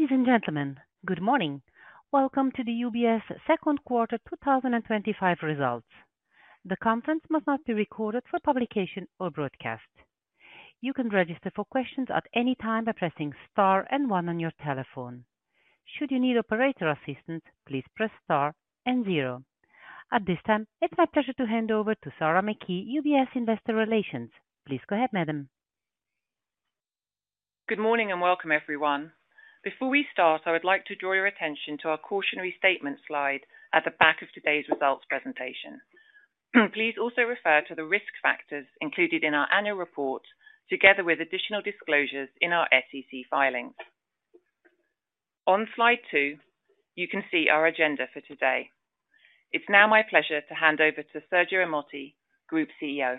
Ladies and gentlemen, good morning. Welcome to the UBS second quarter 2025 results. The conference must not be recorded for publication or broadcast. You can register for questions at any time by pressing star and one on your telephone. Should you need operator assistance, please press star and zero. At this time, it's my pleasure to hand over to Sarah Mackey, UBS Investor Relations. Please go ahead, madam. Good morning and welcome, everyone. Before we start, I would like to draw your attention to our cautionary statement slide at the back of today's results presentation. Please also refer to the risk factors included in our annual report, together with additional disclosures in our SEC filings. On slide two, you can see our agenda for today. It's now my pleasure to hand over to Sergio Ermotti, Group CEO.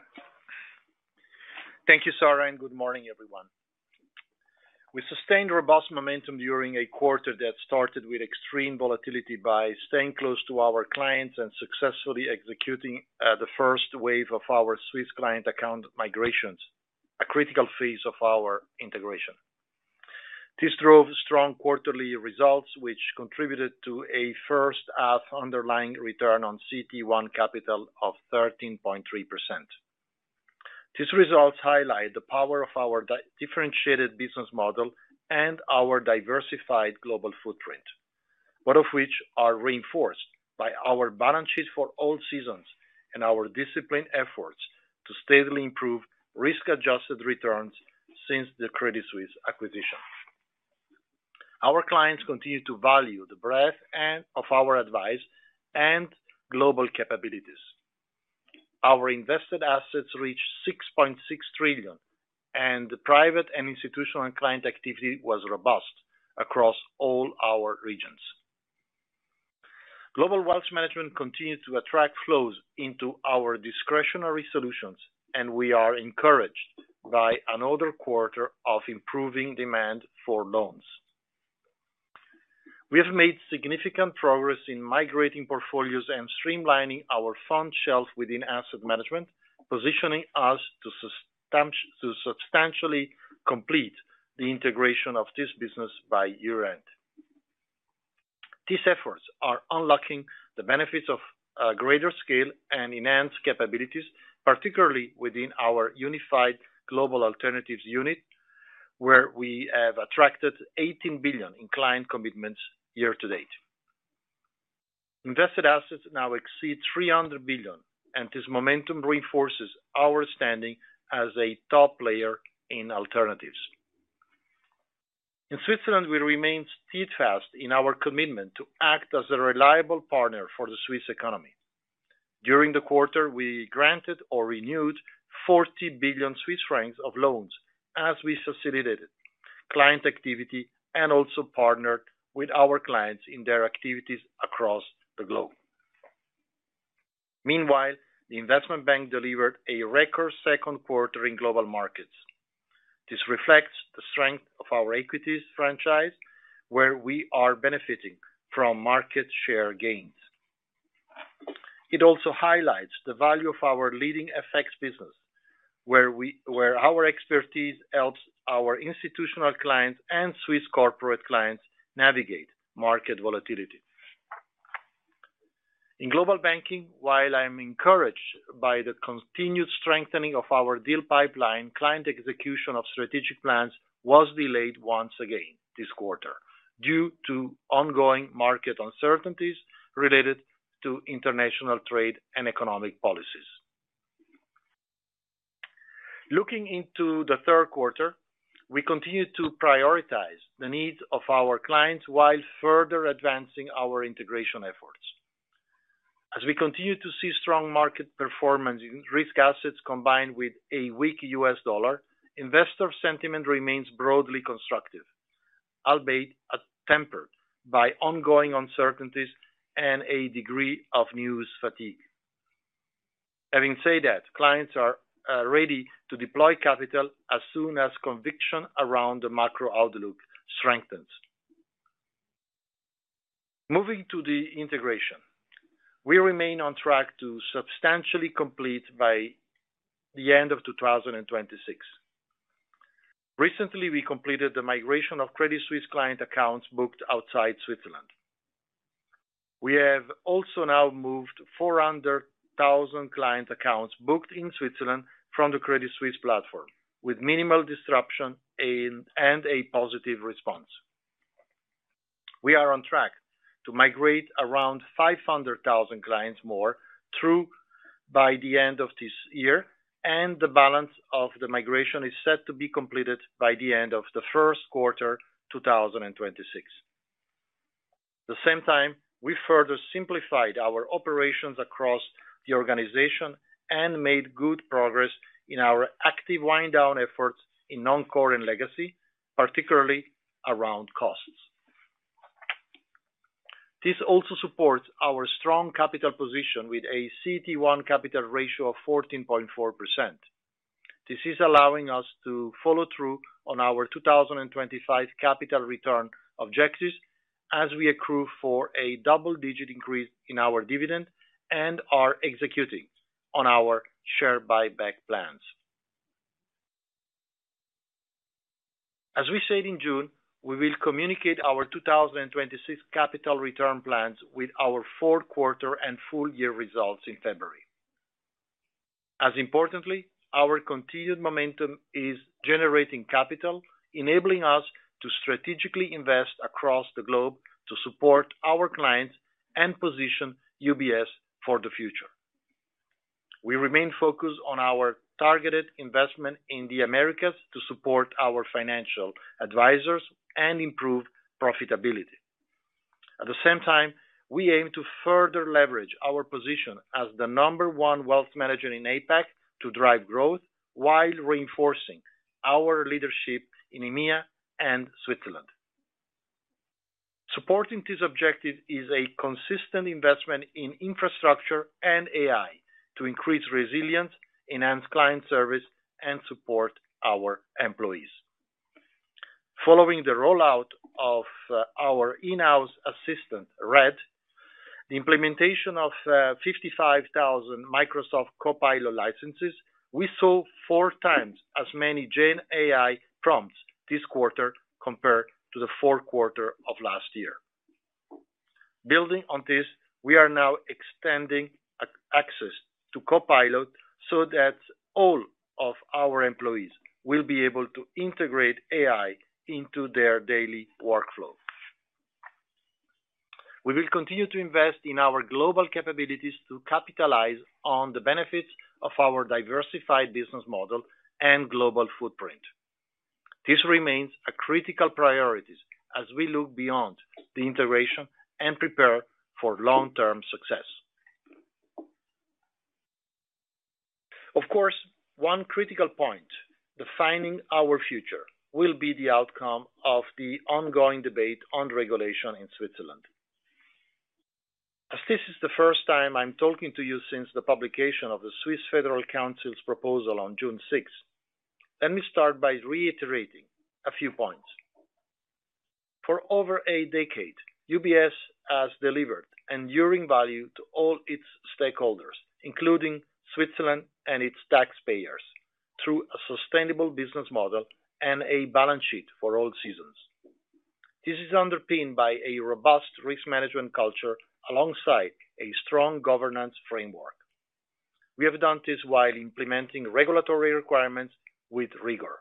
Thank you, Sarah, and good morning, everyone. We sustained robust momentum during a quarter that started with extreme volatility by staying close to our clients and successfully executing the first wave of our Swiss client account migrations, a critical phase of our integration. This drove strong quarterly results, which contributed to a first-half underlying return on CET1 capital of 13.3%. These results highlight the power of our differentiated business model and our diversified global footprint, one of which is reinforced by our balance sheet for all seasons and our disciplined efforts to steadily improve risk-adjusted returns since the Credit Suisse acquisition. Our clients continue to value the breadth of our advice and global capabilities. Our invested assets reached $6.6 trillion, and the private and institutional client activity was robust across all our regions. Global wealth management continues to attract flows into our discretionary solutions, and we are encouraged by another quarter of improving demand for loans. We have made significant progress in migrating portfolios and streamlining our fund shelf within asset management, positioning us to substantially complete the integration of this business by year-end. These efforts are unlocking the benefits of greater scale and enhanced capabilities, particularly within our Unified Global Alternatives Unit, where we have attracted $18 billion in client commitments year-to-date. Invested assets now exceed $300 billion, and this momentum reinforces our standing as a top player in alternatives. In Switzerland, we remain steadfast in our commitment to act as a reliable partner for the Swiss economy. During the quarter, we granted or renewed 40 billion Swiss francs of loans as we facilitated client activity and also partnered with our clients in their activities across the globe. Meanwhile, the investment bank delivered a record second quarter in global markets. This reflects the strength of our equities franchise, where we are benefiting from market share gains. It also highlights the value of our leading FX business, where our expertise helps our institutional clients and Swiss corporate clients navigate market volatility. In global banking, while I'm encouraged by the continued strengthening of our deal pipeline, client execution of strategic plans was delayed once again this quarter due to ongoing market uncertainties related to international trade and economic policies. Looking into the third quarter, we continue to prioritize the needs of our clients while further advancing our integration efforts. As we continue to see strong market performance in risk assets combined with a weak US dollar, investor sentiment remains broadly constructive, albeit tempered by ongoing uncertainties and a degree of news fatigue. Having said that, clients are ready to deploy capital as soon as conviction around the macro outlook strengthens. Moving to the integration, we remain on track to substantially complete by the end of 2026. Recently, we completed the migration of Credit Suisse client accounts booked outside Switzerland. We have also now moved 400,000 client accounts booked in Switzerland from the Credit Suisse platform, with minimal disruption and a positive response. We are on track to migrate around 500,000 clients more by the end of this year, and the balance of the migration is set to be completed by the end of the first quarter 2026. At the same time, we further simplified our operations across the organization and made good progress in our active wind-down efforts in non-core and legacy, particularly around costs. This also supports our strong capital position with a CET1 capital ratio of 14.4%. This is allowing us to follow through on our 2025 capital return objectives as we accrue for a double-digit increase in our dividend and are executing on our share buyback plans. As we said in June, we will communicate our 2026 capital return plans with our fourth-quarter and full-year results in February. As importantly, our continued momentum is generating capital, enabling us to strategically invest across the globe to support our clients and position UBS for the future. We remain focused on our targeted investment in the Americas to support our financial advisors and improve profitability. At the same time, we aim to further leverage our position as the number one wealth manager in APAC to drive growth while reinforcing our leadership in EMEA and Switzerland. Supporting these objectives is a consistent investment in infrastructure and AI to increase resilience, enhance client service, and support our employees. Following the rollout of our in-house assistant, RED, and the implementation of 55,000 Microsoft Copilot licenses, we saw four times as many Gen AI prompts this quarter compared to the fourth quarter of last year. Building on this, we are now extending access to Copilot so that all of our employees will be able to integrate AI into their daily workflow. We will continue to invest in our global capabilities to capitalize on the benefits of our diversified business model and global footprint. This remains a critical priority as we look beyond the integration and prepare for long-term success. Of course, one critical point, defining our future, will be the outcome of the ongoing debate on regulation in Switzerland. As this is the first time I'm talking to you since the publication of the Swiss Federal Council's proposal on June 6th, let me start by reiterating a few points. For over a decade, UBS has delivered enduring value to all its stakeholders, including Switzerland and its taxpayers, through a sustainable business model and a balance sheet for all seasons. This is underpinned by a robust risk management culture alongside a strong governance framework. We have done this while implementing regulatory requirements with rigor.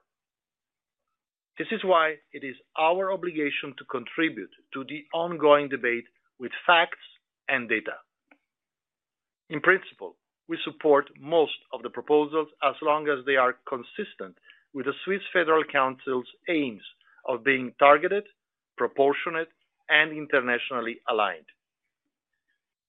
This is why it is our obligation to contribute to the ongoing debate with facts and data. In principle, we support most of the proposals as long as they are consistent with the Swiss Federal Council's aims of being targeted, proportionate, and internationally aligned.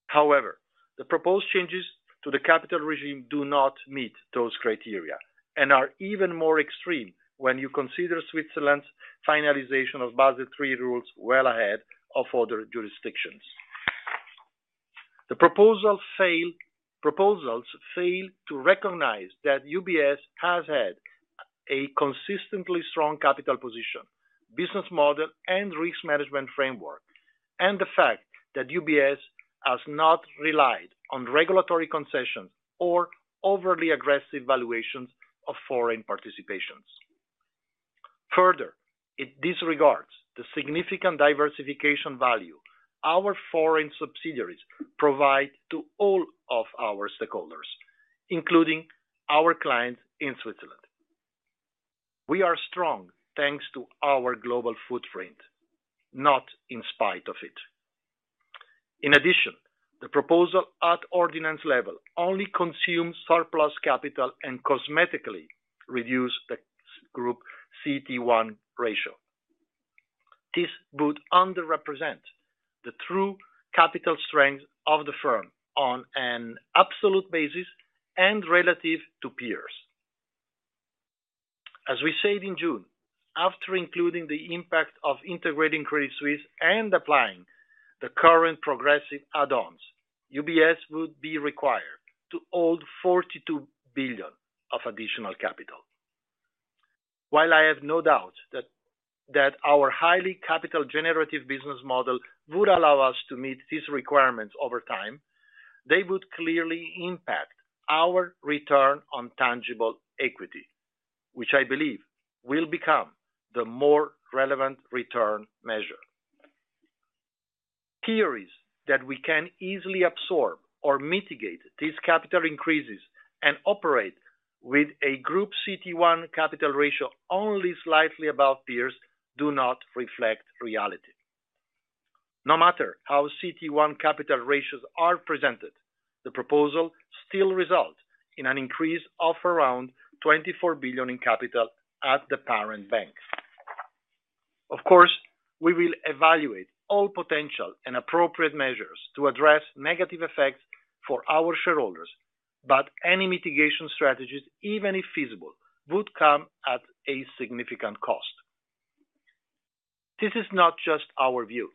However, the proposed changes to the capital regime do not meet those criteria and are even more extreme when you consider Switzerland's finalization of Basel III rules well ahead of other jurisdictions. The proposals fail to recognize that UBS has had a consistently strong capital position, business model, and risk management framework, and the fact that UBS has not relied on regulatory concessions or overly aggressive valuations of foreign participations. Further, it disregards the significant diversification value our foreign subsidiaries provide to all of our stakeholders, including our clients in Switzerland. We are strong thanks to our global footprint, not in spite of it. In addition, the proposal at ordinance level only consumes surplus capital and cosmetically reduces the group CET1 ratio. This would underrepresent the true capital strength of the firm on an absolute basis and relative to peers. As we said in June, after including the impact of integrating Credit Suisse and applying the current progressive add-ons, UBS would be required to hold 42 billion of additional capital. While I have no doubt that. Our highly capital-generative business model would allow us to meet these requirements over time, they would clearly impact our return on tangible equity, which I believe will become the more relevant return measure. Theories that we can easily absorb or mitigate these capital increases and operate with a group CET1 capital ratio only slightly above peers do not reflect reality. No matter how CET1 capital ratios are presented, the proposal still results in an increase of around 24 billion in capital at the parent bank. Of course, we will evaluate all potential and appropriate measures to address negative effects for our shareholders, but any mitigation strategies, even if feasible, would come at a significant cost. This is not just our view.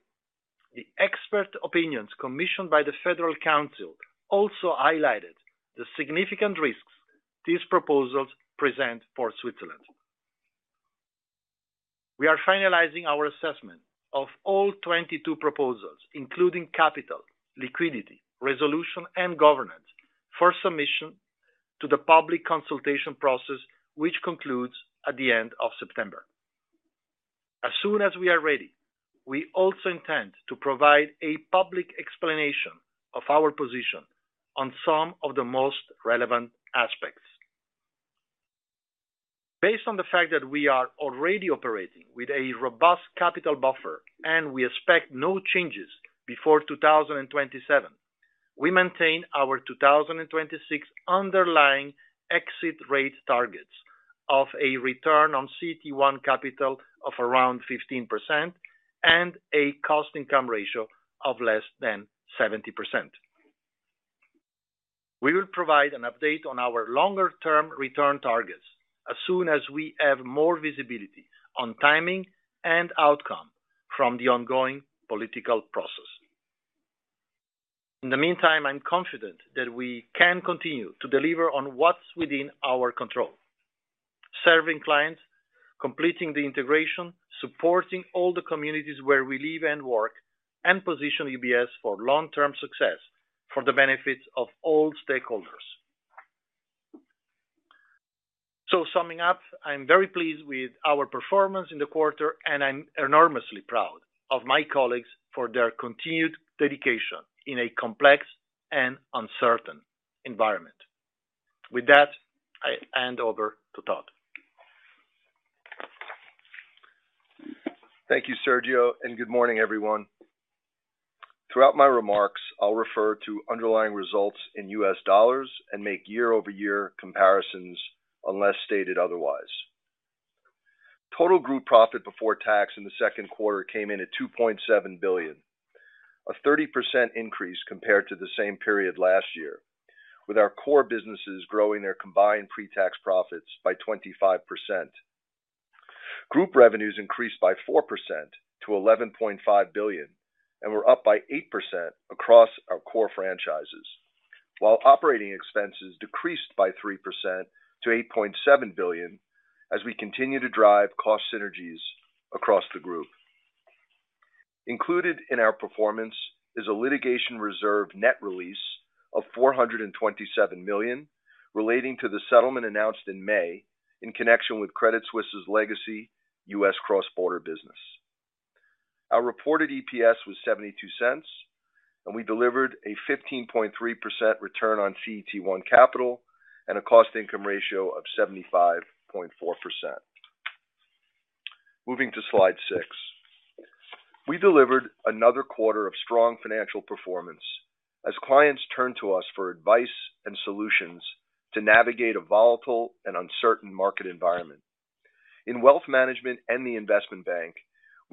The expert opinions commissioned by the Federal Council also highlighted the significant risks these proposals present for Switzerland. We are finalizing our assessment of all 22 proposals, including capital, liquidity, resolution, and governance, for submission to the public consultation process, which concludes at the end of September. As soon as we are ready, we also intend to provide a public explanation of our position on some of the most relevant aspects. Based on the fact that we are already operating with a robust capital buffer and we expect no changes before 2027, we maintain our 2026 underlying exit rate targets of a return on CET1 capital of around 15% and a cost-income ratio of less than 70%. We will provide an update on our longer-term return targets as soon as we have more visibility on timing and outcome from the ongoing political process. In the meantime, I'm confident that we can continue to deliver on what's within our control. Serving clients, completing the integration, supporting all the communities where we live and work, and positioning UBS for long-term success for the benefit of all stakeholders. Summing up, I'm very pleased with our performance in the quarter, and I'm enormously proud of my colleagues for their continued dedication in a complex and uncertain environment. With that, I hand over to Todd. Thank you, Sergio, and good morning, everyone. Throughout my remarks, I'll refer to underlying results in US dollars and make year-over-year comparisons unless stated otherwise. Total group profit before tax in the second quarter came in at $2.7 billion, a 30% increase compared to the same period last year, with our core businesses growing their combined pre-tax profits by 25%. Group revenues increased by 4% to $11.5 billion and were up by 8% across our core franchises, while operating expenses decreased by 3% to $8.7 billion as we continue to drive cost synergies across the group. Included in our performance is a litigation reserve net release of $427 million relating to the settlement announced in May in connection with Credit Suisse's legacy US cross-border business. Our reported EPS was $0.72, and we delivered a 15.3% return on CET1 capital and a cost-income ratio of 75.4%. Moving to slide six. We delivered another quarter of strong financial performance as clients turned to us for advice and solutions to navigate a volatile and uncertain market environment. In wealth management and the investment bank,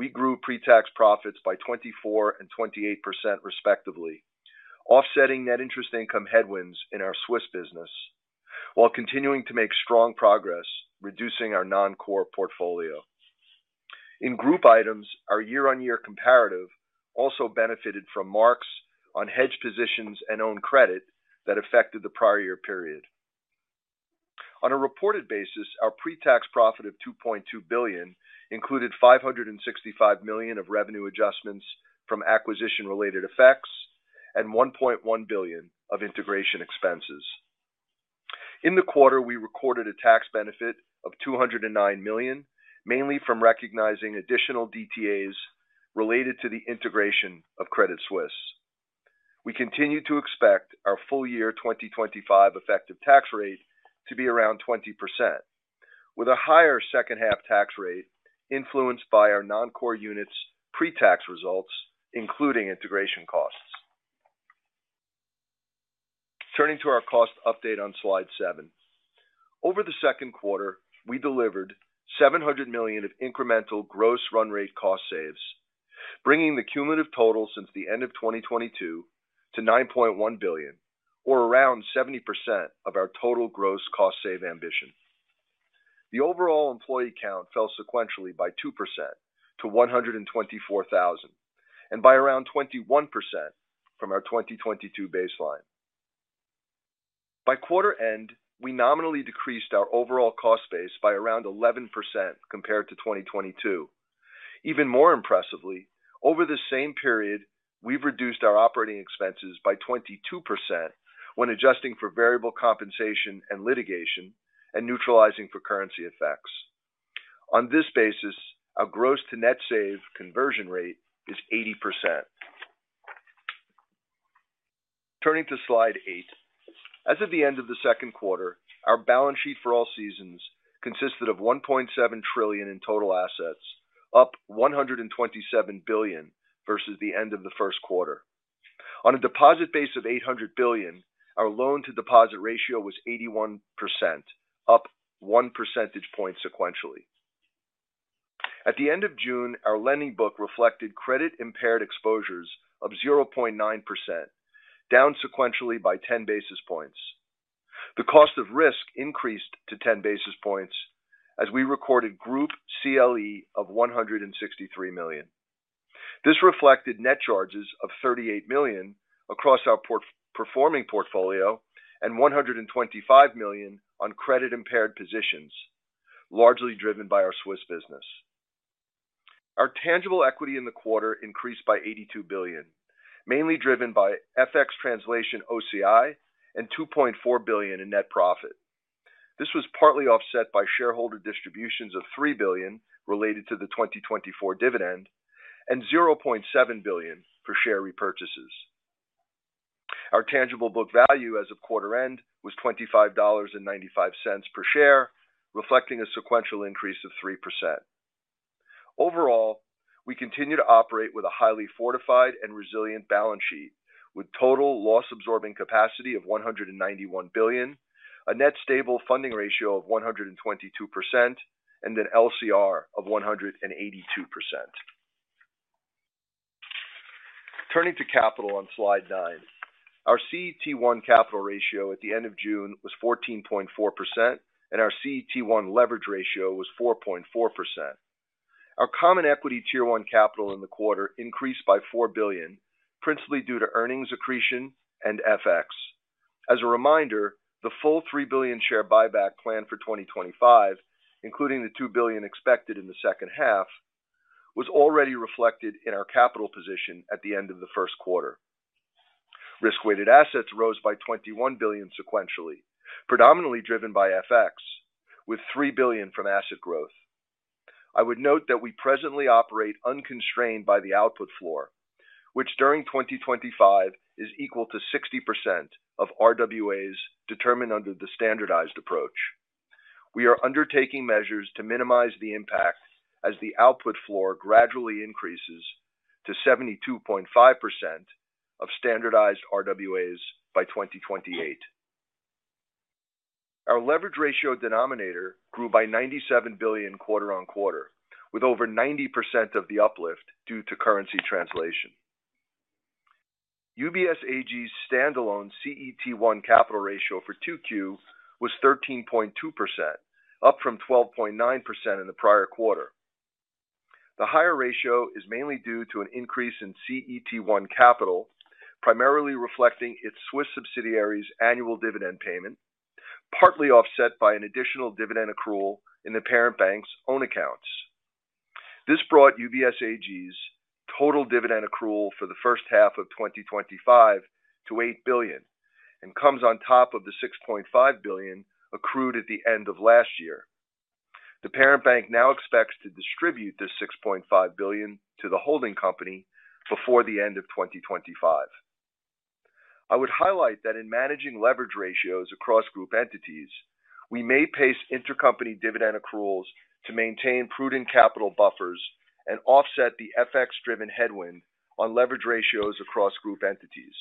we grew pre-tax profits by 24% and 28% respectively, offsetting net interest income headwinds in our Swiss business. While continuing to make strong progress, reducing our non-core portfolio. In group items, our year-on-year comparative also benefited from marks on hedge positions and own credit that affected the prior year period. On a reported basis, our pre-tax profit of $2.2 billion included $565 million of revenue adjustments from acquisition-related effects and $1.1 billion of integration expenses. In the quarter, we recorded a tax benefit of $209 million, mainly from recognizing additional DTAs related to the integration of Credit Suisse. We continue to expect our full year 2025 effective tax rate to be around 20%, with a higher second-half tax rate influenced by our non-core units' pre-tax results, including integration costs. Turning to our cost update on slide seven, over the second quarter, we delivered $700 million of incremental gross run-rate cost saves, bringing the cumulative total since the end of 2022 to $9.1 billion, or around 70% of our total gross cost save ambition. The overall employee count fell sequentially by 2% to 124,000 and by around 21% from our 2022 baseline. By quarter end, we nominally decreased our overall cost base by around 11% compared to 2022. Even more impressively, over the same period, we've reduced our operating expenses by 22% when adjusting for variable compensation and litigation and neutralizing for currency effects. On this basis, our gross-to-net-save conversion rate is 80%. Turning to slide eight, as of the end of the second quarter, our balance sheet for all seasons consisted of $1.7 trillion in total assets, up $127 billion versus the end of the first quarter. On a deposit base of $800 billion, our loan-to-deposit ratio was 81%, up 1 percentage point sequentially. At the end of June, our lending book reflected credit-impaired exposures of 0.9%, down sequentially by 10 basis points. The cost of risk increased to 10 basis points as we recorded group CLE of $163 million. This reflected net charges of $38 million across our performing portfolio and $125 million on credit-impaired positions, largely driven by our Swiss business. Our tangible equity in the quarter increased by $82 billion, mainly driven by FX translation OCI and $2.4 billion in net profit. This was partly offset by shareholder distributions of $3 billion related to the 2024 dividend and $0.7 billion for share repurchases. Our tangible book value as of quarter end was $25.95 per share, reflecting a sequential increase of 3%. Overall, we continue to operate with a highly fortified and resilient balance sheet with total loss-absorbing capacity of $191 billion, a net stable funding ratio of 122%, and an LCR of 182%. Turning to capital on slide nine, our CET1 capital ratio at the end of June was 14.4%, and our CET1 leverage ratio was 4.4%. Our common equity tier one capital in the quarter increased by $4 billion, principally due to earnings accretion and FX. As a reminder, the full $3 billion share buyback plan for 2025, including the $2 billion expected in the second half, was already reflected in our capital position at the end of the first quarter. Risk-weighted assets rose by $21 billion sequentially, predominantly driven by FX, with $3 billion from asset growth. I would note that we presently operate unconstrained by the output floor, which during 2025 is equal to 60% of RWAs determined under the standardized approach. We are undertaking measures to minimize the impact as the output floor gradually increases to 72.5% of standardized RWAs by 2028. Our leverage ratio denominator grew by $97 billion quarter on quarter, with over 90% of the uplift due to currency translation. UBS AG's standalone CET1 capital ratio for 2Q was 13.2%, up from 12.9% in the prior quarter. The higher ratio is mainly due to an increase in CET1 capital, primarily reflecting its Swiss subsidiaries' annual dividend payment, partly offset by an additional dividend accrual in the parent bank's own accounts. This brought UBS AG's total dividend accrual for the first half of 2025 to $8 billion and comes on top of the $6.5 billion accrued at the end of last year. The parent bank now expects to distribute this $6.5 billion to the holding company before the end of 2025. I would highlight that in managing leverage ratios across group entities, we may pace intercompany dividend accruals to maintain prudent capital buffers and offset the FX-driven headwind on leverage ratios across group entities.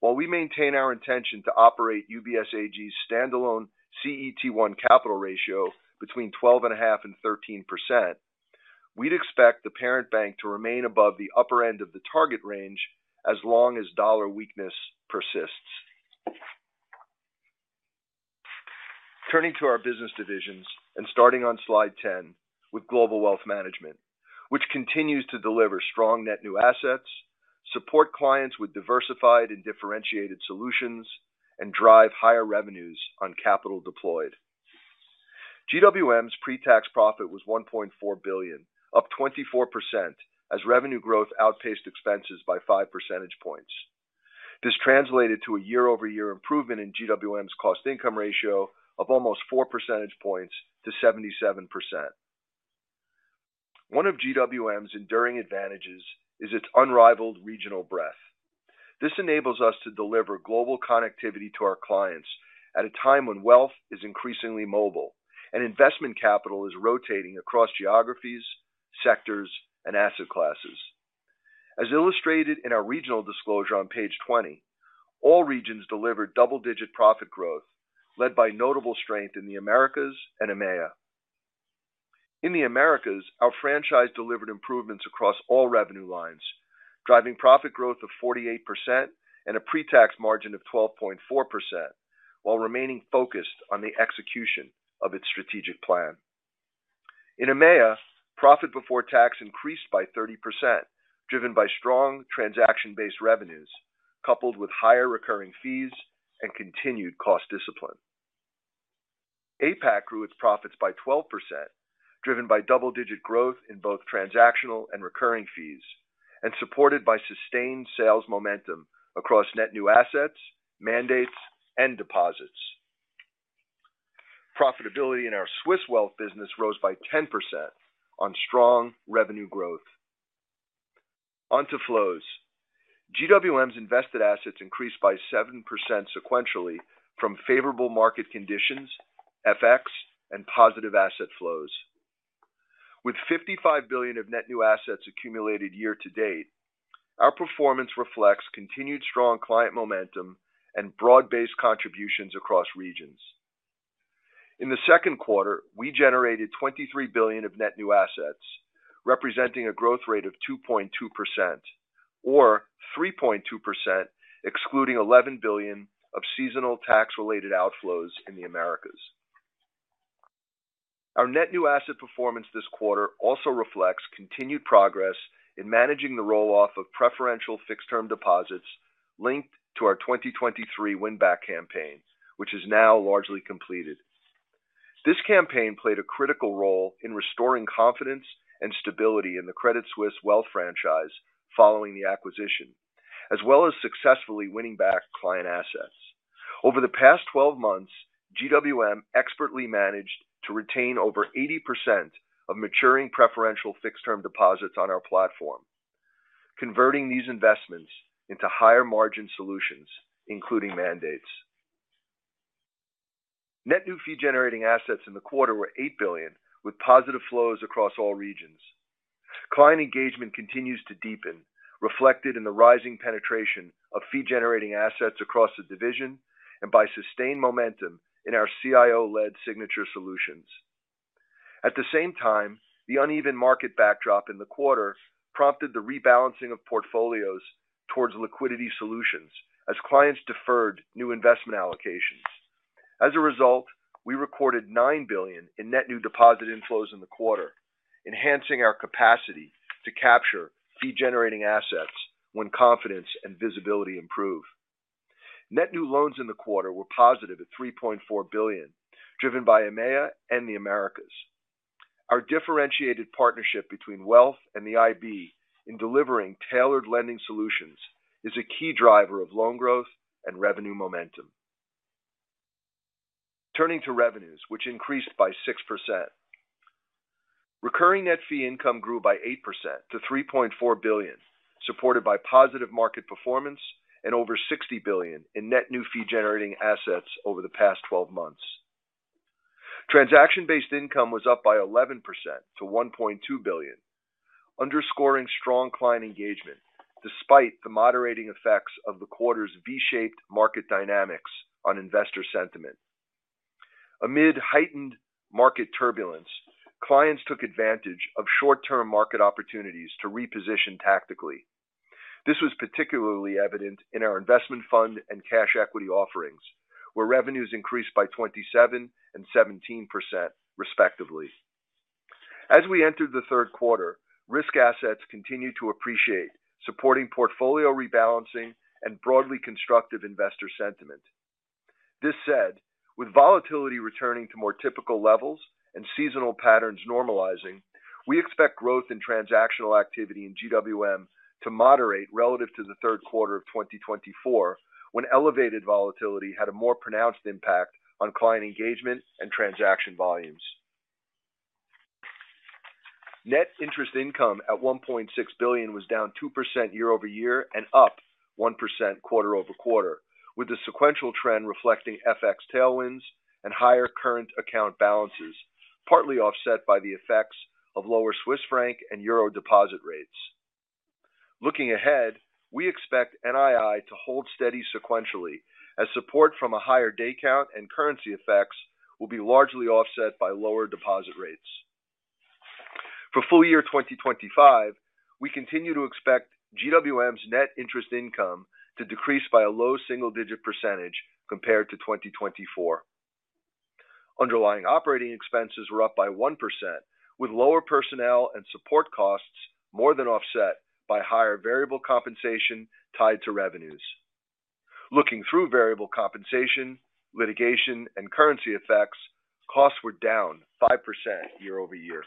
While we maintain our intention to operate UBS AG's standalone CET1 capital ratio between 12.5% and 13%, we would expect the parent bank to remain above the upper end of the target range as long as dollar weakness persists. Turning to our business divisions and starting on slide 10 with Global Wealth Management, which continues to deliver strong net new assets, support clients with diversified and differentiated solutions, and drive higher revenues on capital deployed. GWM's pre-tax profit was $1.4 billion, up 24% as revenue growth outpaced expenses by 5 percentage points. This translated to a year-over-year improvement in GWM's cost-income ratio of almost 4 percentage points to 77%. One of GWM's enduring advantages is its unrivaled regional breadth. This enables us to deliver global connectivity to our clients at a time when wealth is increasingly mobile and investment capital is rotating across geographies, sectors, and asset classes. As illustrated in our regional disclosure on page 20, all regions delivered double-digit profit growth led by notable strength in the Americas and EMEA. In the Americas, our franchise delivered improvements across all revenue lines, driving profit growth of 48% and a pre-tax margin of 12.4%, while remaining focused on the execution of its strategic plan. In EMEA, profit before tax increased by 30%, driven by strong transaction-based revenues coupled with higher recurring fees and continued cost discipline. APAC grew its profits by 12%, driven by double-digit growth in both transactional and recurring fees, and supported by sustained sales momentum across net new assets, mandates, and deposits. Profitability in our Swiss wealth business rose by 10% on strong revenue growth. Onto flows. GWM's invested assets increased by 7% sequentially from favorable market conditions, FX, and positive asset flows. With $55 billion of net new assets accumulated year to date, our performance reflects continued strong client momentum and broad-based contributions across regions. In the second quarter, we generated $23 billion of net new assets, representing a growth rate of 2.2%. Or 3.2% excluding $11 billion of seasonal tax-related outflows in the Americas. Our net new asset performance this quarter also reflects continued progress in managing the rolloff of preferential fixed-term deposits linked to our 2023 win-back campaign, which is now largely completed. This campaign played a critical role in restoring confidence and stability in the Credit Suisse wealth franchise following the acquisition, as well as successfully winning back client assets. Over the past 12 months, GWM expertly managed to retain over 80% of maturing preferential fixed-term deposits on our platform, converting these investments into higher-margin solutions, including mandates. Net new fee-generating assets in the quarter were $8 billion, with positive flows across all regions. Client engagement continues to deepen, reflected in the rising penetration of fee-generating assets across the division and by sustained momentum in our CIO-led signature solutions. At the same time, the uneven market backdrop in the quarter prompted the rebalancing of portfolios towards liquidity solutions as clients deferred new investment allocations. As a result, we recorded $9 billion in net new deposit inflows in the quarter, enhancing our capacity to capture fee-generating assets when confidence and visibility improve. Net new loans in the quarter were positive at $3.4 billion, driven by EMEA and the Americas. Our differentiated partnership between wealth and the IB in delivering tailored lending solutions is a key driver of loan growth and revenue momentum. Turning to revenues, which increased by 6%. Recurring net fee income grew by 8% to $3.4 billion, supported by positive market performance and over $60 billion in net new fee-generating assets over the past 12 months. Transaction-based income was up by 11% to $1.2 billion, underscoring strong client engagement despite the moderating effects of the quarter's V-shaped market dynamics on investor sentiment. Amid heightened market turbulence, clients took advantage of short-term market opportunities to reposition tactically. This was particularly evident in our investment fund and cash equity offerings, where revenues increased by 27% and 17%, respectively. As we entered the third quarter, risk assets continued to appreciate, supporting portfolio rebalancing and broadly constructive investor sentiment. This said, with volatility returning to more typical levels and seasonal patterns normalizing, we expect growth in transactional activity in GWM to moderate relative to the third quarter of 2024 when elevated volatility had a more pronounced impact on client engagement and transaction volumes. Net interest income at $1.6 billion was down 2% year-over-year and up 1% quarter over quarter, with the sequential trend reflecting FX tailwinds and higher current account balances, partly offset by the effects of lower Swiss franc and euro deposit rates. Looking ahead, we expect NII to hold steady sequentially as support from a higher day count and currency effects will be largely offset by lower deposit rates. For full year 2025, we continue to expect GWM's net interest income to decrease by a low single-digit percentage compared to 2024. Underlying operating expenses were up by 1%, with lower personnel and support costs more than offset by higher variable compensation tied to revenues. Looking through variable compensation, litigation, and currency effects, costs were down 5% year-over-year.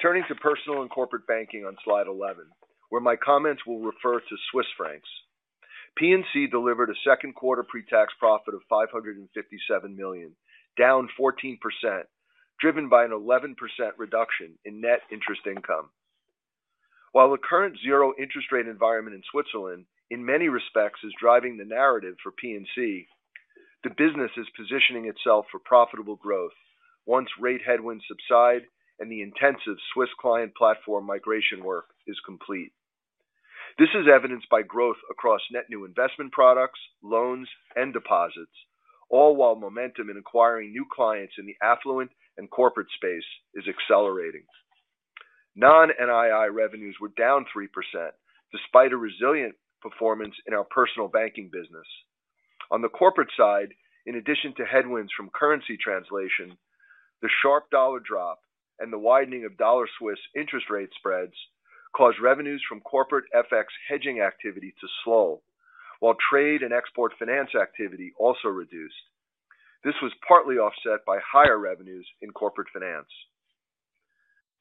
Turning to personal and corporate banking on slide 11, where my comments will refer to Swiss francs, P&C delivered a second quarter pre-tax profit of 557 million, down 14%, driven by an 11% reduction in net interest income. While the current zero interest rate environment in Switzerland in many respects is driving the narrative for P&C, the business is positioning itself for profitable growth once rate headwinds subside and the intensive Swiss client platform migration work is complete. This is evidenced by growth across net new investment products, loans, and deposits, all while momentum in acquiring new clients in the affluent and corporate space is accelerating. Non-NII revenues were down 3% despite a resilient performance in our personal banking business. On the corporate side, in addition to headwinds from currency translation, the sharp dollar drop and the widening of dollar Swiss interest rate spreads caused revenues from corporate FX hedging activity to slow, while trade and export finance activity also reduced. This was partly offset by higher revenues in corporate finance.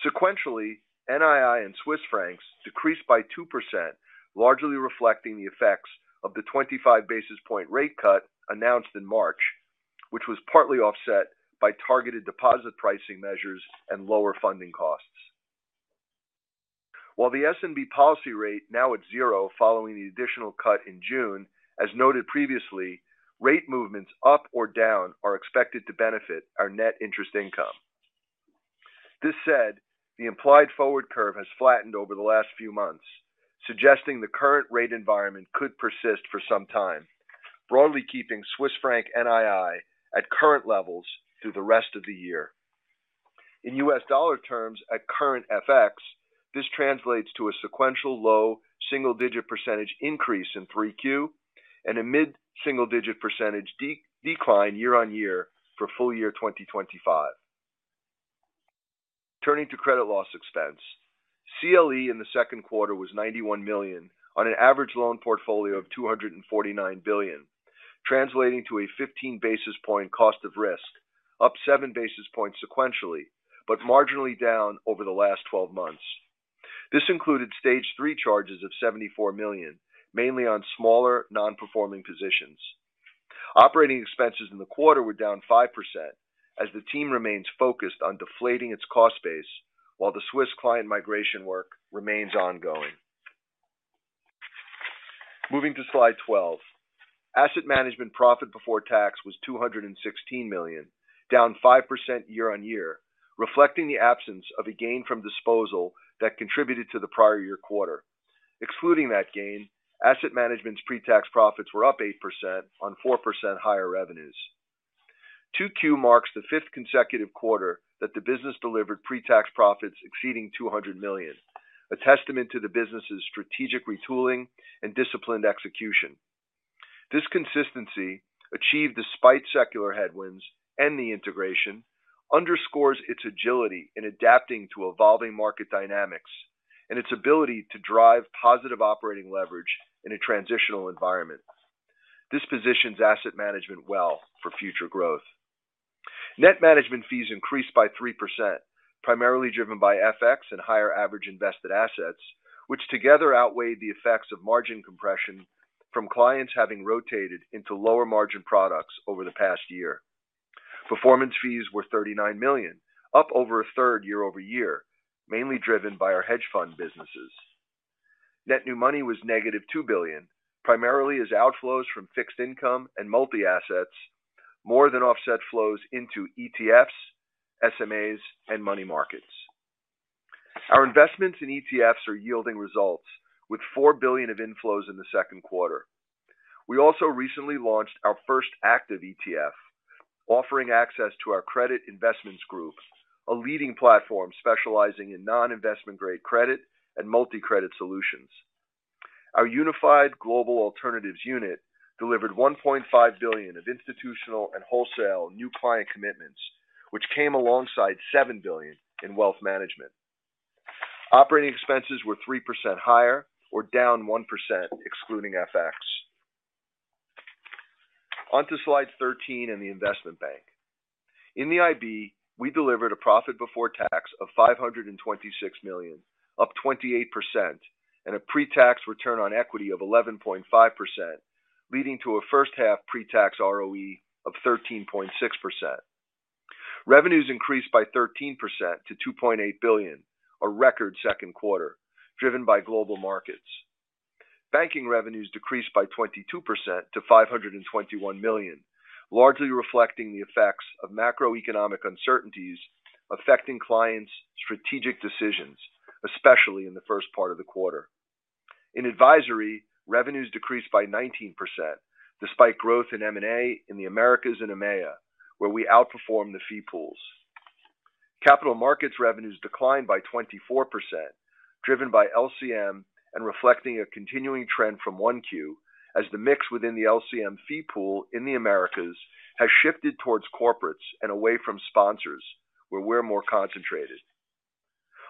Sequentially, NII in Swiss francs decreased by 2%, largely reflecting the effects of the 25 basis point rate cut announced in March, which was partly offset by targeted deposit pricing measures and lower funding costs. While the S&B policy rate now at zero following the additional cut in June, as noted previously, rate movements up or down are expected to benefit our net interest income. This said, the implied forward curve has flattened over the last few months, suggesting the current rate environment could persist for some time, broadly keeping Swiss franc NII at current levels through the rest of the year. In U.S. dollar terms, at current FX, this translates to a sequential low single-digit % increase in 3Q and a mid-single-digit % decline year-on-year for full year 2025. Turning to credit loss expense, CLE in the second quarter was $91 million on an average loan portfolio of $249 billion, translating to a 15 basis point cost of risk, up 7 basis points sequentially, but marginally down over the last 12 months. This included stage three charges of $74 million, mainly on smaller non-performing positions. Operating expenses in the quarter were down 5% as the team remains focused on deflating its cost base while the Swiss client migration work remains ongoing. Moving to slide 12, asset management profit before tax was $216 million, down 5% year-on-year, reflecting the absence of a gain from disposal that contributed to the prior year quarter. Excluding that gain, asset management's pre-tax profits were up 8% on 4% higher revenues. 2Q marks the fifth consecutive quarter that the business delivered pre-tax profits exceeding $200 million, a testament to the business's strategic retooling and disciplined execution. This consistency, achieved despite secular headwinds and the integration, underscores its agility in adapting to evolving market dynamics and its ability to drive positive operating leverage in a transitional environment. This positions asset management well for future growth. Net management fees increased by 3%, primarily driven by FX and higher average invested assets, which together outweighed the effects of margin compression from clients having rotated into lower margin products over the past year. Performance fees were $39 million, up over a third year-over-year, mainly driven by our hedge fund businesses. Net new money was negative $2 billion, primarily as outflows from fixed income and multi-assets more than offset flows into ETFs, SMAs, and money markets. Our investments in ETFs are yielding results, with $4 billion of inflows in the second quarter. We also recently launched our first active ETF, offering access to our credit investments group, a leading platform specializing in non-investment-grade credit and multi-credit solutions. Our unified global alternatives unit delivered $1.5 billion of institutional and wholesale new client commitments, which came alongside $7 billion in wealth management. Operating expenses were 3% higher or down 1%, excluding FX. Onto slide 13 and the investment bank. In the IB, we delivered a profit before tax of $526 million, up 28%, and a pre-tax return on equity of 11.5%, leading to a first-half pre-tax ROE of 13.6%. Revenues increased by 13% to $2.8 billion, a record second quarter, driven by global markets. Banking revenues decreased by 22% to $521 million, largely reflecting the effects of macroeconomic uncertainties affecting clients' strategic decisions, especially in the first part of the quarter. In advisory, revenues decreased by 19%, despite growth in M&A in the Americas and EMEA, where we outperformed the fee pools. Capital markets revenues declined by 24%, driven by LCM and reflecting a continuing trend from 1Q, as the mix within the LCM fee pool in the Americas has shifted towards corporates and away from sponsors, where we're more concentrated.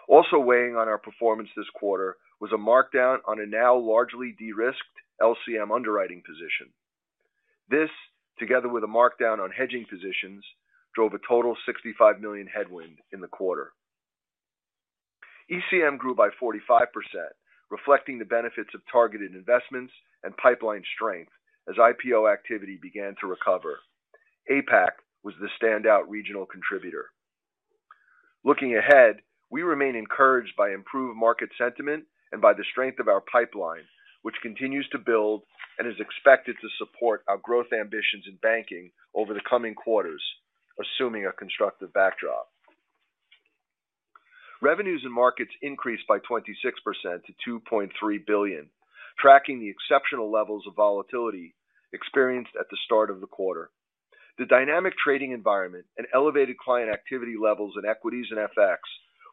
Also weighing on our performance this quarter was a markdown on a now largely de-risked LCM underwriting position. This, together with a markdown on hedging positions, drove a total $65 million headwind in the quarter. ECM grew by 45%, reflecting the benefits of targeted investments and pipeline strength as IPO activity began to recover. APAC was the standout regional contributor. Looking ahead, we remain encouraged by improved market sentiment and by the strength of our pipeline, which continues to build and is expected to support our growth ambitions in banking over the coming quarters, assuming a constructive backdrop. Revenues and markets increased by 26% to $2.3 billion, tracking the exceptional levels of volatility experienced at the start of the quarter. The dynamic trading environment and elevated client activity levels in equities and FX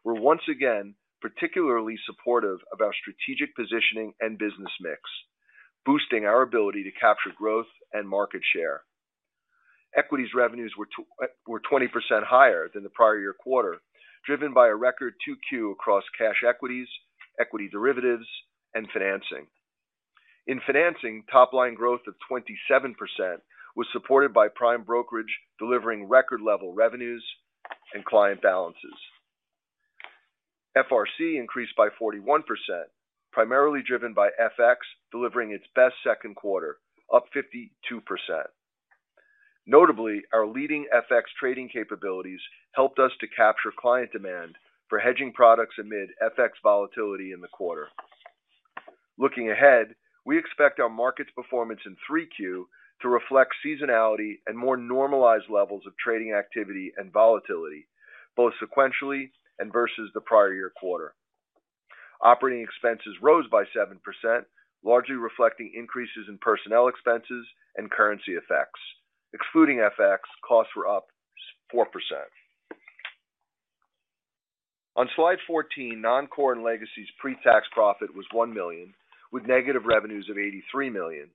were once again particularly supportive of our strategic positioning and business mix, boosting our ability to capture growth and market share. Equities revenues were 20% higher than the prior year quarter, driven by a record 2Q across cash equities, equity derivatives, and financing. In financing, top-line growth of 27% was supported by prime brokerage delivering record-level revenues and client balances. FRC increased by 41%, primarily driven by FX delivering its best second quarter, up 52%. Notably, our leading FX trading capabilities helped us to capture client demand for hedging products amid FX volatility in the quarter. Looking ahead, we expect our market performance in 3Q to reflect seasonality and more normalized levels of trading activity and volatility, both sequentially and versus the prior year quarter. Operating expenses rose by 7%, largely reflecting increases in personnel expenses and currency effects. Excluding FX, costs were up 4%. On slide 14, non-core and Legacy's pre-tax profit was $1 million, with negative revenues of $83 million.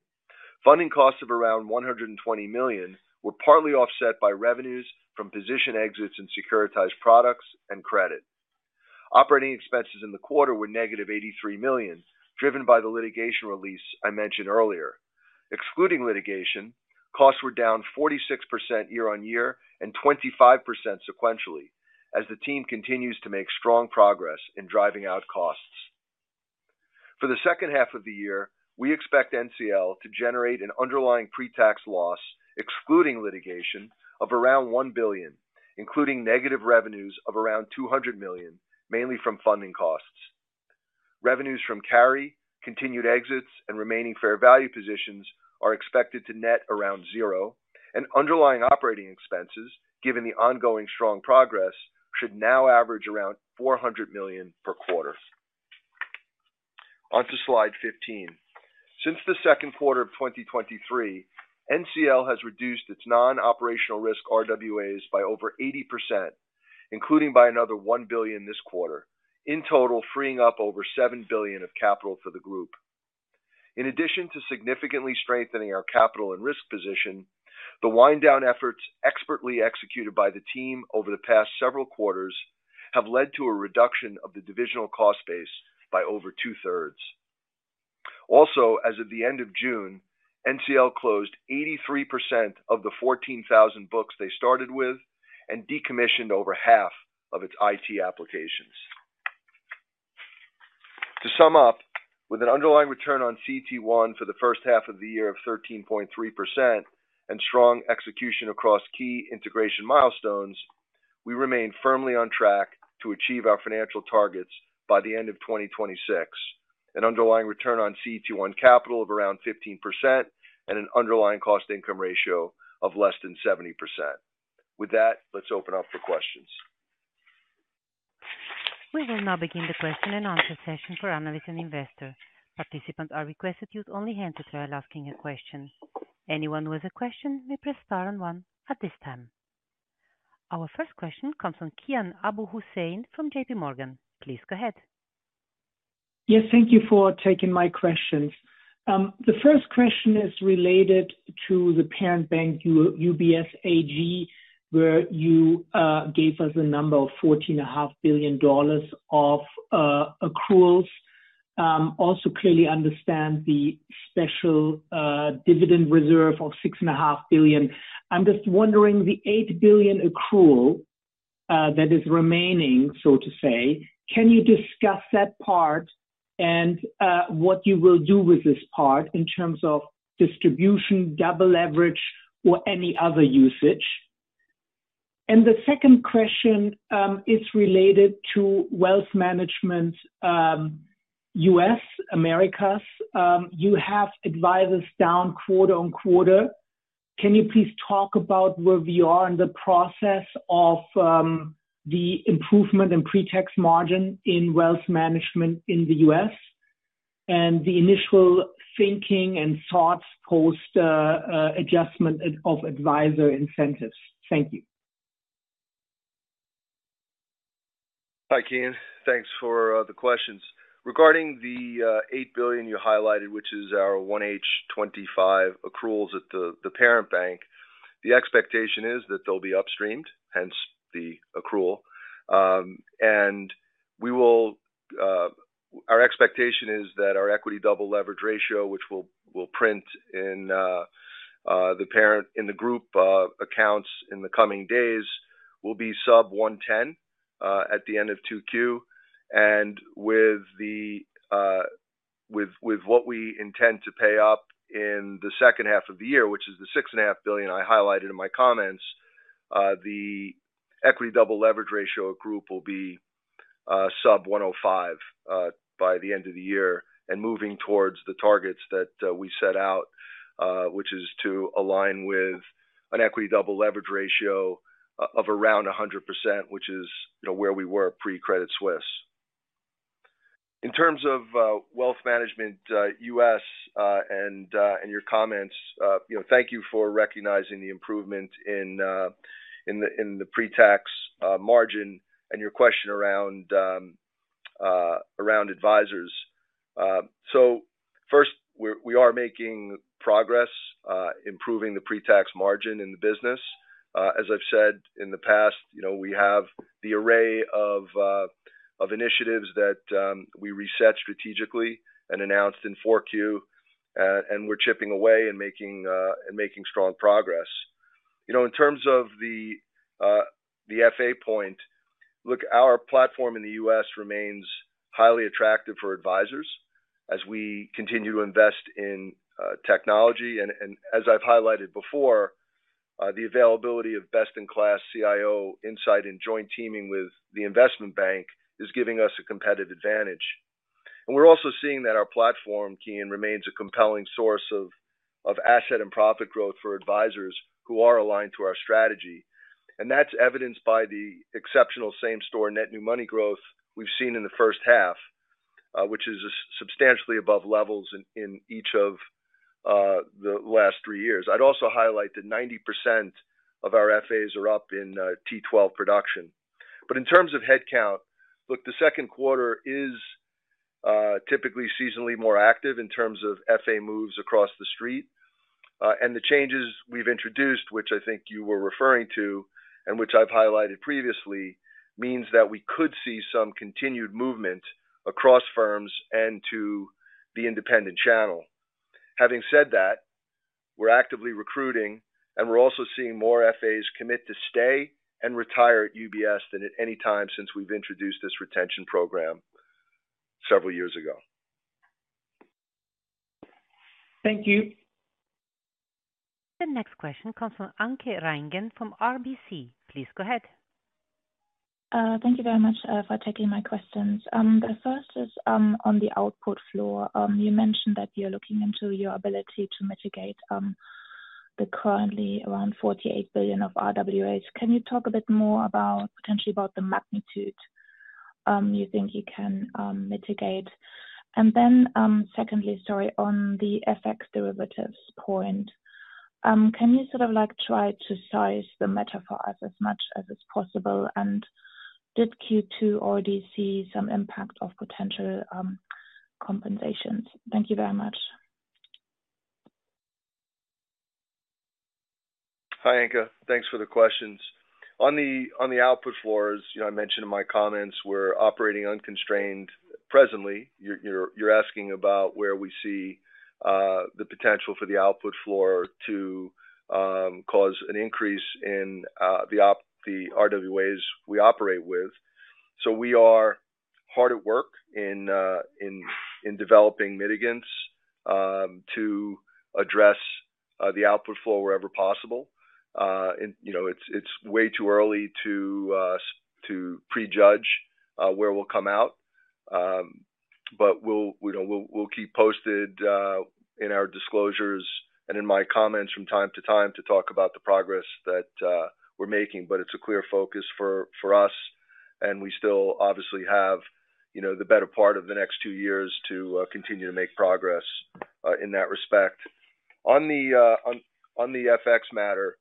Funding costs of around $120 million were partly offset by revenues from position exits and securitized products and credit. Operating expenses in the quarter were negative $83 million, driven by the litigation release I mentioned earlier. Excluding litigation, costs were down 46% year-on-year and 25% sequentially, as the team continues to make strong progress in driving out costs. For the second half of the year, we expect NCL to generate an underlying pre-tax loss, excluding litigation, of around $1 billion, including negative revenues of around $200 million, mainly from funding costs. Revenues from carry, continued exits, and remaining fair value positions are expected to net around zero, and underlying operating expenses, given the ongoing strong progress, should now average around $400 million per quarter. Onto slide 15. Since the second quarter of 2023, NCL has reduced its non-operational risk RWAs by over 80%, including by another $1 billion this quarter, in total freeing up over $7 billion of capital for the group. In addition to significantly strengthening our capital and risk position, the wind-down efforts expertly executed by the team over the past several quarters have led to a reduction of the divisional cost base by over two-thirds. Also, as of the end of June, NCL closed 83% of the 14,000 books they started with and decommissioned over half of its IT applications. To sum up, with an underlying return on CET1 for the first half of the year of 13.3% and strong execution across key integration milestones, we remain firmly on track to achieve our financial targets by the end of 2026, an underlying return on CET1 capital of around 15%, and an underlying cost-income ratio of less than 70%. With that, let's open up for questions. We will now begin the question-and-answer session for analysts and investors. Participants are requested to use only hands while asking a question. Anyone who has a question may press star one at this time. Our first question comes from Kian Abouhossein from JPMorgan. Please go ahead. Yes, thank you for taking my questions. The first question is related to the parent bank, UBS AG, where you gave us a number of $14.5 billion of accruals. Also, clearly understand the special dividend reserve of $6.5 billion. I'm just wondering, the $8 billion accrual that is remaining, so to say, can you discuss that part and what you will do with this part in terms of distribution, double leverage, or any other usage? And the second question is related to Wealth Management U.S., Americas. You have advisors down quarter on quarter. Can you please talk about where we are in the process of the improvement in pre-tax margin in Wealth Management in the U.S., and the initial thinking and thoughts post adjustment of advisor incentives? Thank you. Hi, Kian. Thanks for the questions. Regarding the $8 billion you highlighted, which is our 1H25 accruals at the parent bank, the expectation is that they'll be upstreamed, hence the accrual. Our expectation is that our equity double leverage ratio, which will print in the parent in the group accounts in the coming days, will be sub 110 at the end of 2Q. With what we intend to pay up in the second half of the year, which is the $6.5 billion I highlighted in my comments, the equity double leverage ratio group will be sub 105 by the end of the year and moving towards the targets that we set out, which is to align with an equity double leverage ratio of around 100%, which is where we were pre-Credit Suisse. In terms of Wealth Management US and your comments, thank you for recognizing the improvement in the pre-tax margin and your question around advisors. First, we are making progress improving the pre-tax margin in the business. As I've said in the past, we have the array of initiatives that we reset strategically and announced in 4Q. We're chipping away and making strong progress. In terms of the FA point, look, our platform in the U.S. remains highly attractive for advisors as we continue to invest in technology. As I've highlighted before, the availability of best-in-class CIO insight and joint teaming with the investment bank is giving us a competitive advantage. We're also seeing that our platform, Keene, remains a compelling source of asset and profit growth for advisors who are aligned to our strategy. That's evidenced by the exceptional same-store net new money growth we've seen in the first half, which is substantially above levels in each of the last three years. I'd also highlight that 90% of our FAs are up in T12 production. In terms of headcount, look, the second quarter is typically seasonally more active in terms of FA moves across the street. The changes we've introduced, which I think you were referring to and which I've highlighted previously, means that we could see some continued movement across firms and to the independent channel. Having said that, we're actively recruiting, and we're also seeing more FAs commit to stay and retire at UBS than at any time since we've introduced this retention program several years ago. Thank you. The next question comes from Anke Reingen from RBC. Please go ahead. Thank you very much for taking my questions. The first is on the output floor. You mentioned that you're looking into your ability to mitigate the currently around $48 billion of RWAs. Can you talk a bit more about potentially about the magnitude you think you can mitigate? Secondly, sorry, on the FX derivatives point, can you sort of try to size the metaphor as much as is possible? Did Q2 already see some impact of potential compensations? Thank you very much. Hi, Anke. Thanks for the questions. On the output floors, I mentioned in my comments we're operating unconstrained presently. You're asking about where we see the potential for the output floor to cause an increase in the RWAs we operate with. We are hard at work in developing mitigants to address the output floor wherever possible. It's way too early to prejudge where we'll come out, but we'll keep posted in our disclosures and in my comments from time to time to talk about the progress that we're making. It's a clear focus for us, and we still obviously have the better part of the next two years to continue to make progress in that respect. On the. FX matter,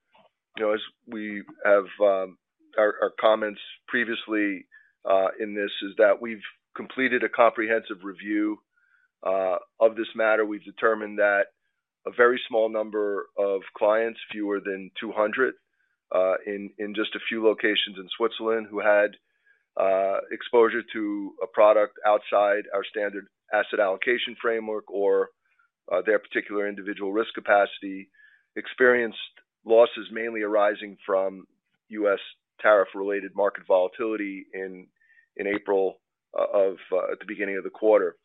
as we have our comments previously in this, is that we've completed a comprehensive review of this matter. We've determined that a very small number of clients, fewer than 200, in just a few locations in Switzerland, who had exposure to a product outside our standard asset allocation framework or their particular individual risk capacity, experienced losses mainly arising from U.S. tariff-related market volatility in April at the beginning of the quarter.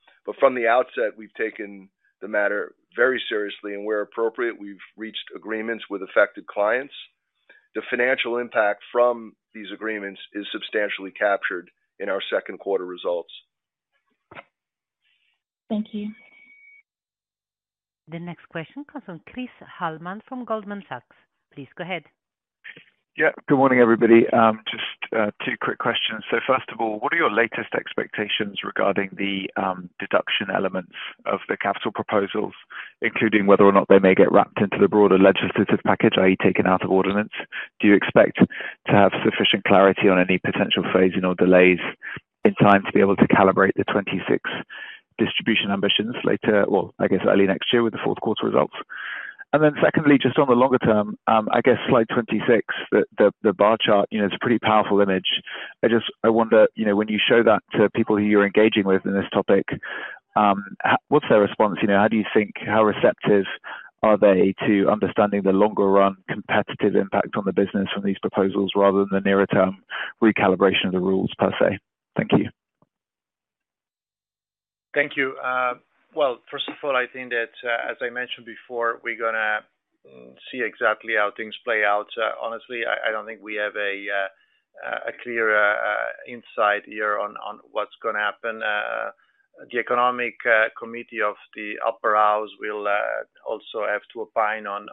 From the outset, we've taken the matter very seriously, and where appropriate, we've reached agreements with affected clients. The financial impact from these agreements is substantially captured in our second quarter results. Thank you. The next question comes from Chris Hallam from Goldman Sachs. Please go ahead. Yeah. Good morning, everybody. Just two quick questions. First of all, what are your latest expectations regarding the deduction elements of the capital proposals, including whether or not they may get wrapped into the broader legislative package, i.e., taken out of ordinance? Do you expect to have sufficient clarity on any potential phasing or delays in time to be able to calibrate the 2026 distribution ambitions later, I guess early next year with the fourth quarter results? Secondly, just on the longer term, I guess slide 26, the bar chart, it's a pretty powerful image. I wonder, when you show that to people who you're engaging with in this topic, what's their response? How do you think, how receptive are they to understanding the longer-run competitive impact on the business from these proposals rather than the nearer-term recalibration of the rules per se? Thank you. Thank you. First of all, I think that, as I mentioned before, we're going to see exactly how things play out. Honestly, I don't think we have a clear insight here on what's going to happen. The economic committee of the upper house will also have to opine on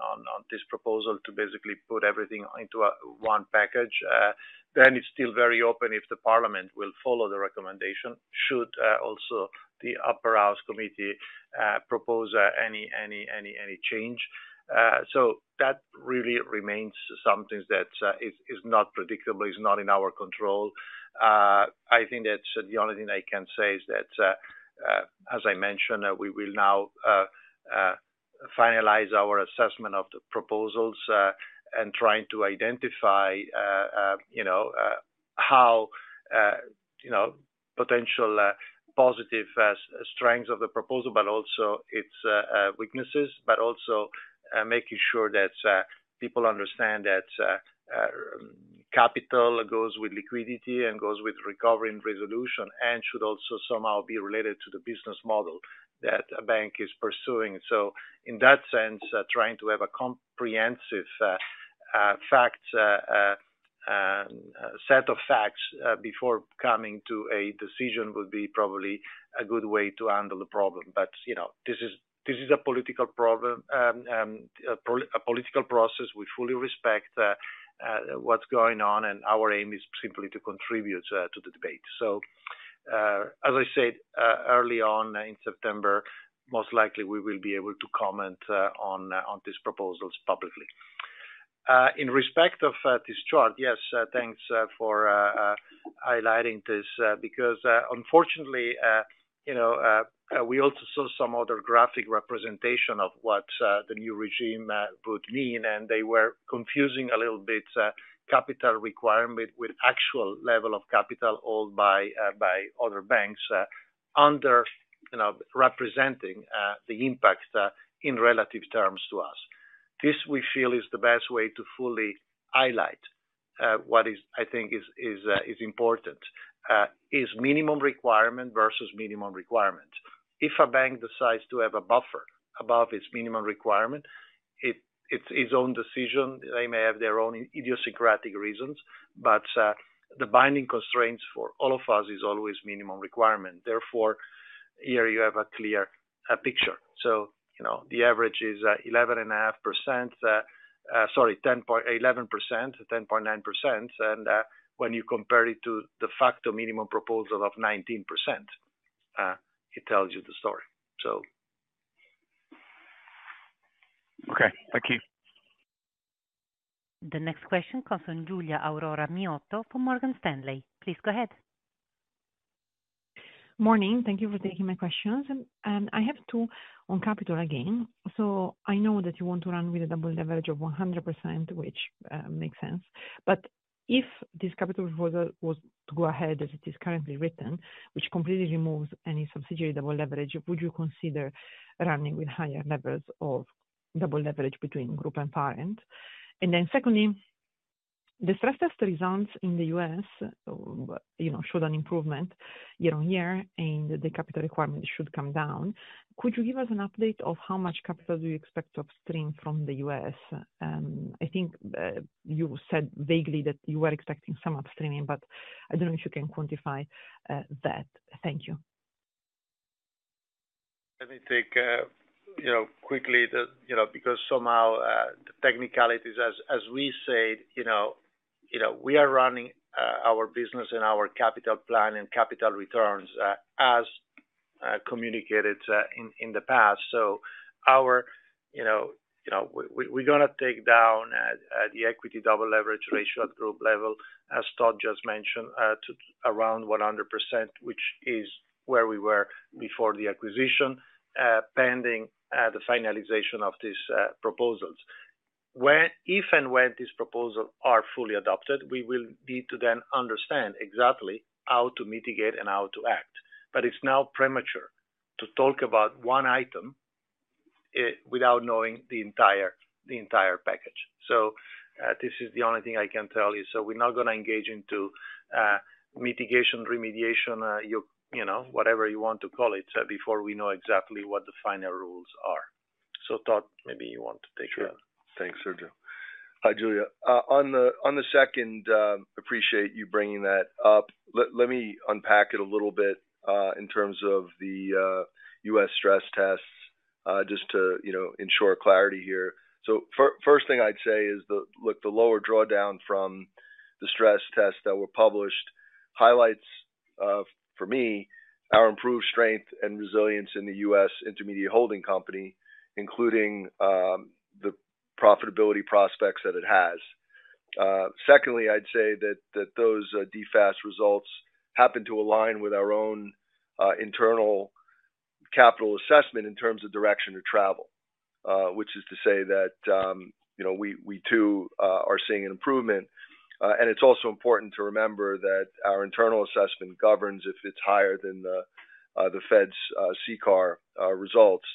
this proposal to basically put everything into one package. It's still very open if the parliament will follow the recommendation, should also the upper house committee propose any change. That really remains something that is not predictable. It's not in our control. I think the only thing I can say is that, as I mentioned, we will now finalize our assessment of the proposals and try to identify how potential. Positive strengths of the proposal, but also its weaknesses, but also making sure that people understand that. Capital goes with liquidity and goes with recovery and resolution and should also somehow be related to the business model that a bank is pursuing. In that sense, trying to have a comprehensive set of facts before coming to a decision would be probably a good way to handle the problem. This is a political process. We fully respect what's going on, and our aim is simply to contribute to the debate. As I said early on in September, most likely we will be able to comment on these proposals publicly. In respect of this chart, yes, thanks for highlighting this because, unfortunately, we also saw some other graphic representation of what the new regime would mean, and they were confusing a little bit capital requirement with actual level of capital owed by other banks, underrepresenting the impact in relative terms to us. This, we feel, is the best way to fully highlight what I think is important. It is minimum requirement versus minimum requirement. If a bank decides to have a buffer above its minimum requirement, it is its own decision. They may have their own idiosyncratic reasons, but the binding constraints for all of us is always minimum requirement. Therefore, here you have a clear picture. The average is 11.5%. Sorry, 11%, 10.9%. When you compare it to the factor minimum proposal of 19%, it tells you the story. Okay, Thank you. The next question comes from Giulia Aurora Miotto from Morgan Stanley. Please go ahead. Morning. Thank you for taking my questions. I have two on capital again. I know that you want to run with a double leverage of 100%, which makes sense. If this capital proposal was to go ahead as it is currently written, which completely removes any subsidiary double leverage, would you consider running with higher levels of double leverage between group and parent? Secondly, the stress test results in the U.S. showed an improvement year on year, and the capital requirement should come down. Could you give us an update of how much capital do you expect to upstream from the U.S.? I think you said vaguely that you were expecting some upstreaming, but I do not know if you can quantify that. Thank you. Let me take quickly because somehow the technicalities, as we said, we are running our business and our capital plan and capital returns as communicated in the past. So our. We're going to take down the equity double leverage ratio at group level, as Todd just mentioned, to around 100%, which is where we were before the acquisition. Pending the finalization of these proposals. If and when these proposals are fully adopted, we will need to then understand exactly how to mitigate and how to act. It is now premature to talk about one item without knowing the entire package. This is the only thing I can tell you. We are not going to engage into mitigation, remediation, whatever you want to call it, before we know exactly what the final rules are. Todd, maybe you want to take that. Sure. Thanks, Sergio. Hi, Giulia. On the second, appreciate you bringing that up. Let me unpack it a little bit in terms of the U.S. stress tests just to ensure clarity here. First thing I'd say is, look, the lower drawdown from the stress tests that were published highlights, for me, our improved strength and resilience in the U.S. intermediate holding company, including the profitability prospects that it has. Secondly, I'd say that those DFAST results happen to align with our own internal capital assessment in terms of direction to travel, which is to say that we too are seeing an improvement. It is also important to remember that our internal assessment governs if it is higher than the Fed's CCAR results.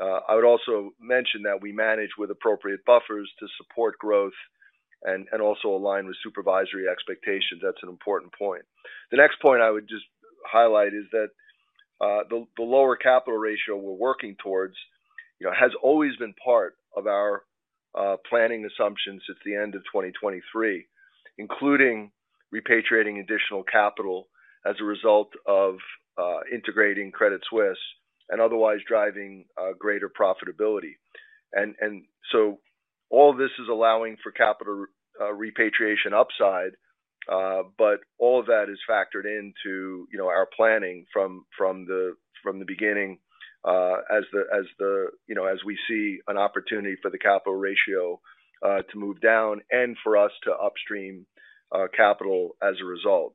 I would also mention that we manage with appropriate buffers to support growth and also align with supervisory expectations. That is an important point. The next point I would just highlight is that the lower capital ratio we are working towards has always been part of our planning assumptions since the end of 2023, including repatriating additional capital as a result of integrating Credit Suisse and otherwise driving greater profitability. All of this is allowing for capital repatriation upside, but all of that is factored into our planning from the beginning. As we see an opportunity for the capital ratio to move down and for us to upstream capital as a result.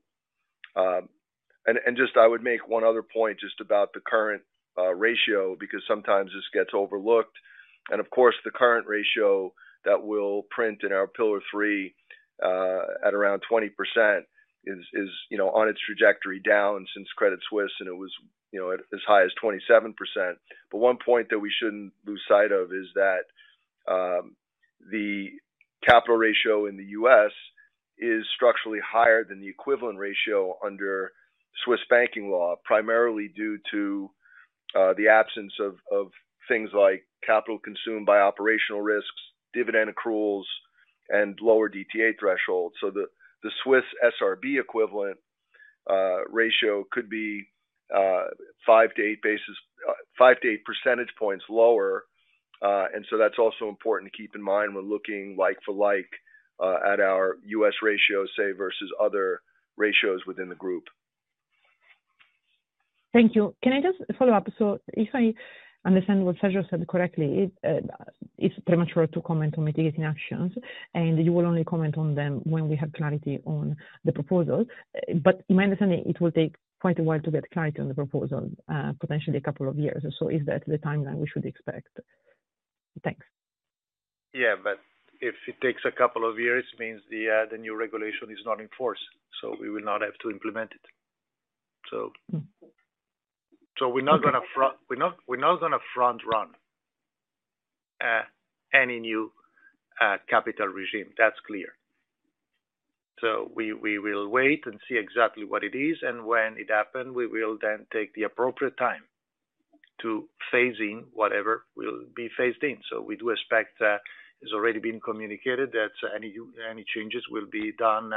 I would make one other point just about the current ratio because sometimes this gets overlooked. Of course, the current ratio that we will print in our pillar three at around 20% is on its trajectory down since Credit Suisse, and it was as high as 27%. One point that we should not lose sight of is that the capital ratio in the U.S. is structurally higher than the equivalent ratio under Swiss banking law, primarily due to. The absence of things like capital consumed by operational risks, dividend accruals, and lower DTA thresholds. So the Swiss SRB equivalent ratio could be five to eight percentage points lower. And so that's also important to keep in mind when looking like for like at our U.S. ratio, say, versus other ratios within the group. Thank you. Can I just follow up? So if I understand what Sergio said correctly, it's premature to comment on mitigating actions, and you will only comment on them when we have clarity on the proposal. But in my understanding, it will take quite a while to get clarity on the proposal, potentially a couple of years. So is that the timeline we should expect? Thanks. Yeah. But if it takes a couple of years, it means the new regulation is not in force. So we will not have to implement it. We're not going to front-run any new capital regime. That's clear. We will wait and see exactly what it is. And when it happens, we will then take the appropriate time to phase in whatever will be phased in. We do expect that it's already been communicated that any changes will be done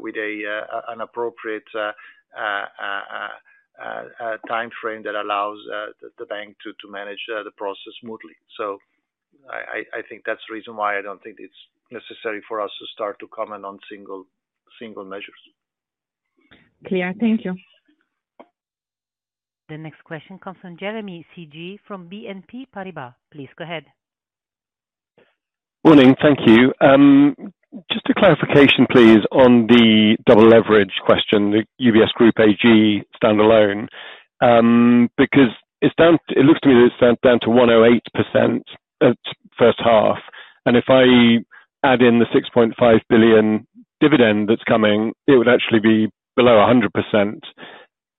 with an appropriate timeframe that allows the bank to manage the process smoothly. I think that's the reason why I don't think it's necessary for us to start to comment on single measures. Clear. Thank you. The next question comes from Jeremy Cheung from BNP Paribas. Please go ahead. Morning. Thank you. Just a clarification, please, on the double leverage question, the UBS Group AG standalone. Because it looks to me that it's down to 108% first half. And if I add in the $6.5 billion dividend that's coming, it would actually be below 100%.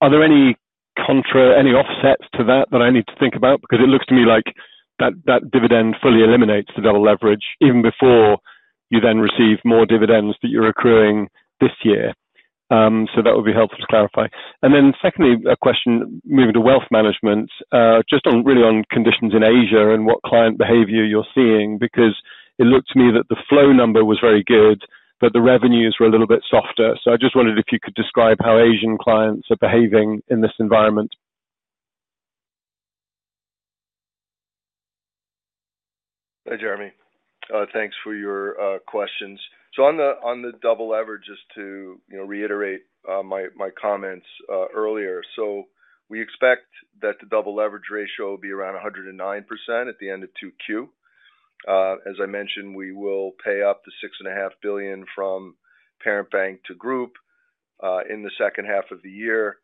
Are there any offsets to that that I need to think about? Because it looks to me like that dividend fully eliminates the double leverage even before you then receive more dividends that you're accruing this year. So that would be helpful to clarify. And then secondly, a question moving to wealth management, just really on conditions in Asia and what client behavior you're seeing, because it looked to me that the flow number was very good, but the revenues were a little bit softer. So I just wondered if you could describe how Asian clients are behaving in this environment? Hi, Jeremy. Thanks for your questions. So on the double leverage, just to reiterate my comments earlier, we expect that the double leverage ratio will be around 109% at the end of Q2. As I mentioned, we will pay up the $6.5 billion from parent bank to group in the second half of the year.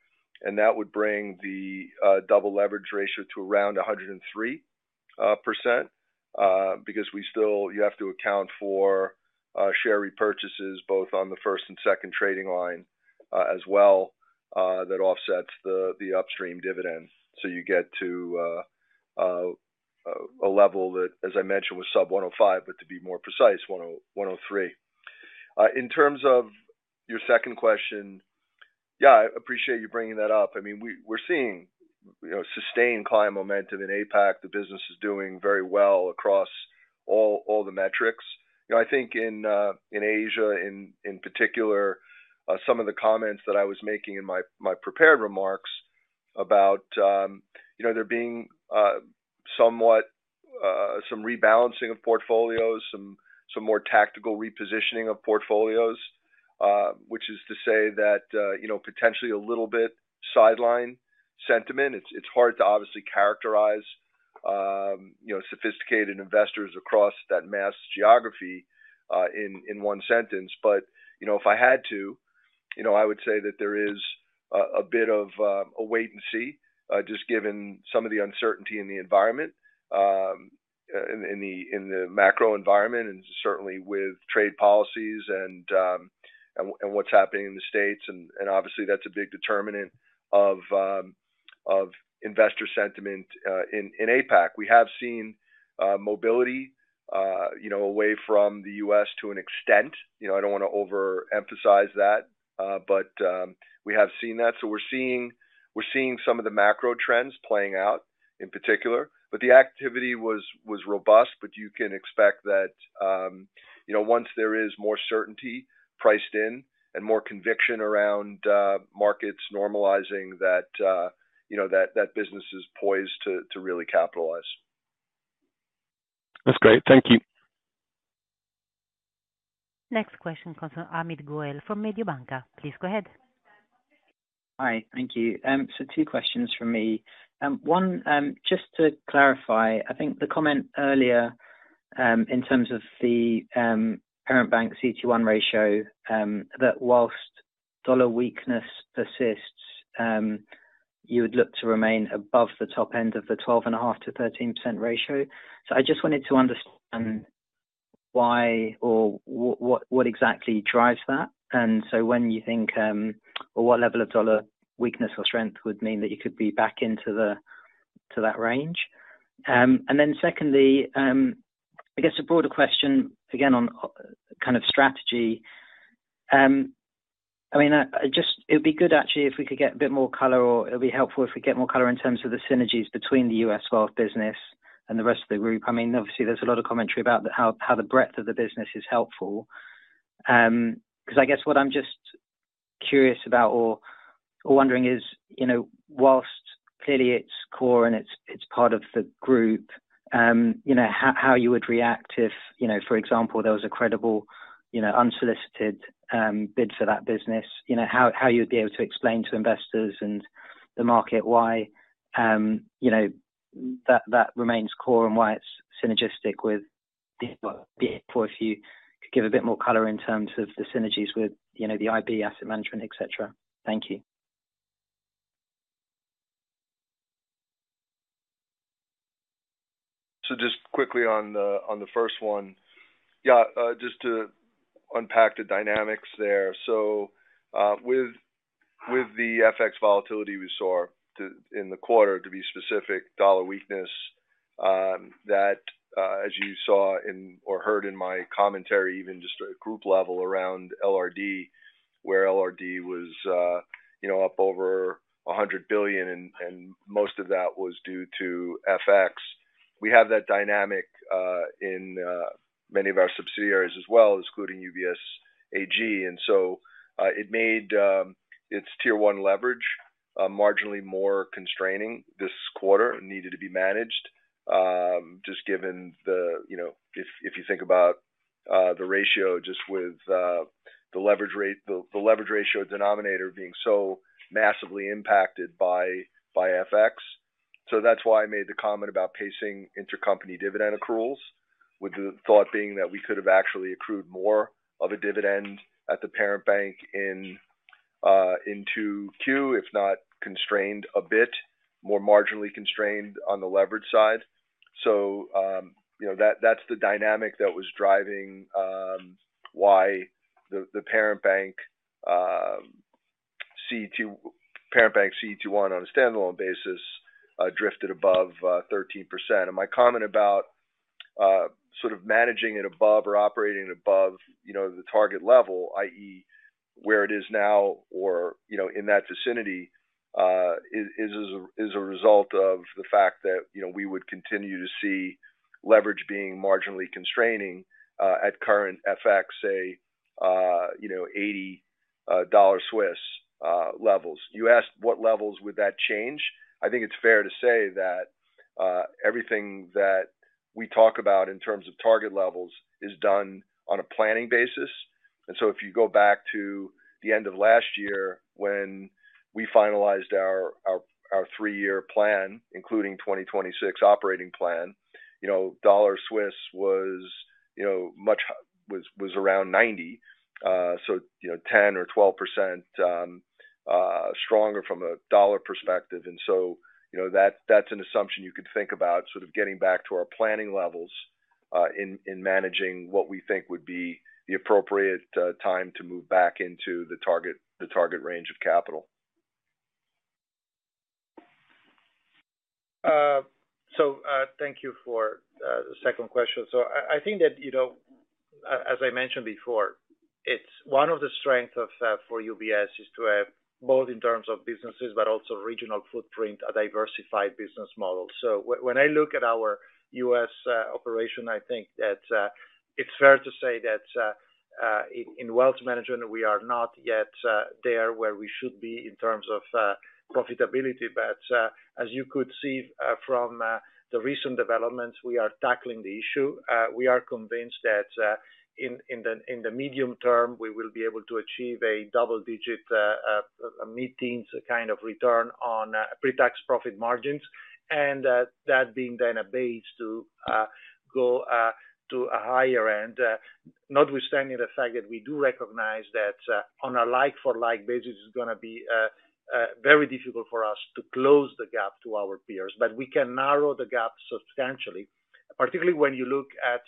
That would bring the double leverage ratio to around 103% because you have to account for share repurchases both on the first and second trading line as well. That offsets the upstream dividend, so you get to a level that, as I mentioned, was sub-105%, but to be more precise, 103%. In terms of your second question, yeah, I appreciate you bringing that up. I mean, we're seeing sustained client momentum in APAC. The business is doing very well across all the metrics. I think in Asia, in particular, some of the comments that I was making in my prepared remarks about there being somewhat, some rebalancing of portfolios, some more tactical repositioning of portfolios, which is to say that potentially a little bit sideline sentiment. It's hard to obviously characterize sophisticated investors across that mass geography in one sentence. If I had to, I would say that there is a bit of a wait and see, just given some of the uncertainty in the environment, in the macro environment, and certainly with trade policies and what's happening in the States. Obviously, that's a big determinant of investor sentiment in APAC. We have seen mobility away from the U.S. to an extent. I don't want to overemphasize that, but we have seen that. We're seeing some of the macro trends playing out in particular, but the activity was robust. You can expect that once there is more certainty priced in and more conviction around markets normalizing, that business is poised to really capitalize. That's great. Thank you. Next question comes from Amit Goel from Mediobanca. Please go ahead. Hi. Thank you. Two questions for me. One, just to clarify, I think the comment earlier in terms of the parent bank CET1 ratio, that whilst dollar weakness persists, you would look to remain above the top end of the 12.5-13% ratio. I just wanted to understand why or what exactly drives that, and when you think or what level of dollar weakness or strength would mean that you could be back into that range. Secondly, I guess a broader question again on kind of strategy. It would be good actually if we could get a bit more color or it would be helpful if we get more color in terms of the synergies between the U.S. wealth business and the rest of the group. I mean, obviously, there's a lot of commentary about how the breadth of the business is helpful. Because I guess what I'm just curious about or wondering is, whilst clearly it's core and it's part of the group, how you would react if, for example, there was a credible unsolicited bid for that business, how you would be able to explain to investors and the market why that remains core and why it's synergistic with the BIP, or if you could give a bit more color in terms of the synergies with the IB asset management, etc? Thank you. Just quickly on the first one, yeah, just to unpack the dynamics there. With the FX volatility we saw in the quarter, to be specific, dollar weakness, that, as you saw or heard in my commentary, even just at group level around LRD, where LRD was up over $100 billion and most of that was due to FX, we have that dynamic in many of our subsidiaries as well, including UBS AG. It made its tier one leverage marginally more constraining this quarter and needed to be managed. Just given the—if you think about the ratio just with the leverage ratio denominator being so massively impacted by FX. That's why I made the comment about pacing intercompany dividend accruals, with the thought being that we could have actually accrued more of a dividend at the parent bank into Q, if not constrained a bit, more marginally constrained on the leverage side. That's the dynamic that was driving why the parent bank CET1 on a standalone basis drifted above 13%. My comment about sort of managing it above or operating above the target level, i.e., where it is now or in that vicinity, is a result of the fact that we would continue to see leverage being marginally constraining at current FX, say, $80 Swiss levels. You asked what levels would that change. I think it's fair to say that everything that we talk about in terms of target levels is done on a planning basis. If you go back to the end of last year when we finalized our three-year plan, including 2026 operating plan, dollar Swiss was around 90, so 10% or 12% stronger from a dollar perspective. That's an assumption you could think about, sort of getting back to our planning levels in managing what we think would be the appropriate time to move back into the target range of capital. Thank you for the second question. I think that. As I mentioned before, one of the strengths for UBS is to have both in terms of businesses but also regional footprint, a diversified business model. When I look at our U.S. operation, I think that it's fair to say that in wealth management, we are not yet there where we should be in terms of profitability. As you could see from the recent developments, we are tackling the issue. We are convinced that in the medium term, we will be able to achieve a double-digit, mid-teens kind of return on pre-tax profit margins, and that being then a base to go to a higher end, notwithstanding the fact that we do recognize that on a like-for-like basis, it's going to be very difficult for us to close the gap to our peers. We can narrow the gap substantially, particularly when you look at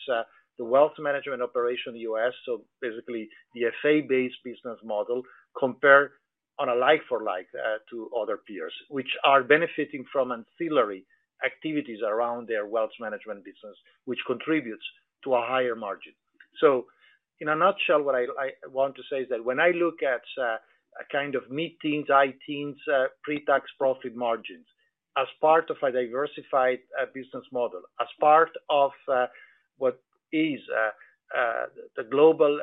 the wealth management operation in the U.S., so basically the FA-based business model, compared on a like-for-like to other peers, which are benefiting from ancillary activities around their wealth management business, which contributes to a higher margin. In a nutshell, what I want to say is that when I look at a kind of mid-teens, high-teens pre-tax profit margins as part of a diversified business model, as part of what is the global,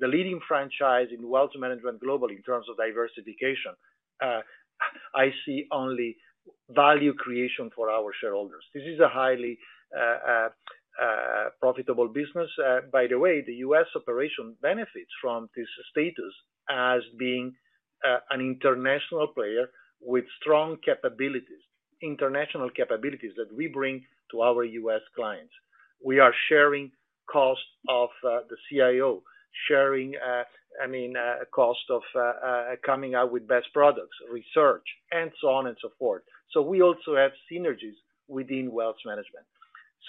the leading franchise in wealth management globally in terms of diversification, I see only value creation for our shareholders. This is a highly profitable business. By the way, the U.S. operation benefits from this status as being an international player with strong capabilities, international capabilities that we bring to our U.S. clients. We are sharing cost of the CIO, sharing, I mean, cost of coming out with best products, research, and so on and so forth. We also have synergies within wealth management.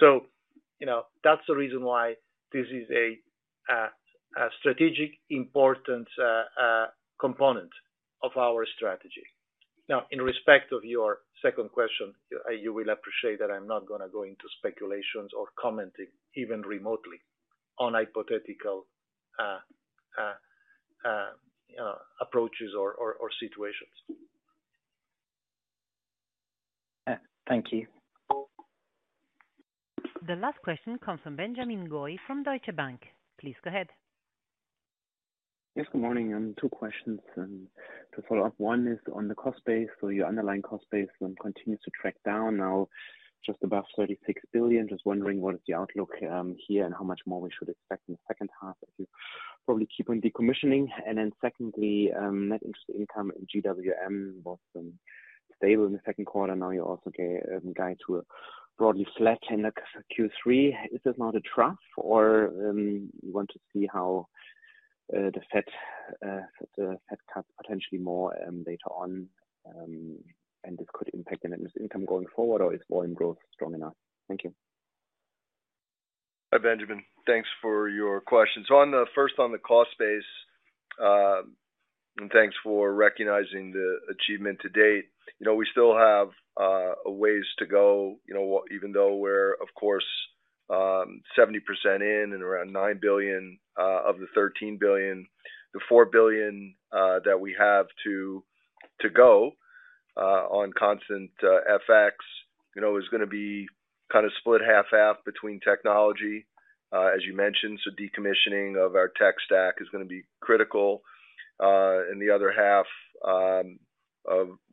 That's the reason why this is a strategic importance component of our strategy. Now, in respect of your second question, you will appreciate that I'm not going to go into speculations or commenting even remotely on hypothetical approaches or situations. Thank you. The last question comes from Benjamin Goy from Deutsche Bank. Please go ahead. Yes, good morning. Two questions to follow up. One is on the cost base. Your underlying cost base continues to track down now, just above $36 billion. Just wondering what is the outlook here and how much more we should expect in the second half if you probably keep on decommissioning. Secondly, net interest income in GWM was stable in the second quarter. Now you also gave guide to a broadly flat Q3. Is this not a trough, or you want to see how the Fed cuts potentially more later on, and this could impact net interest income going forward, or is volume growth strong enough? Thank you. Hi, Benjamin. Thanks for your questions. First, on the cost base, and thanks for recognizing the achievement to date. We still have a ways to go, even though we're, of course, 70% in and around $9 billion of the $13 billion. The $4 billion that we have to go on constant FX is going to be kind of split half-half between technology, as you mentioned. Decommissioning of our tech stack is going to be critical, and the other half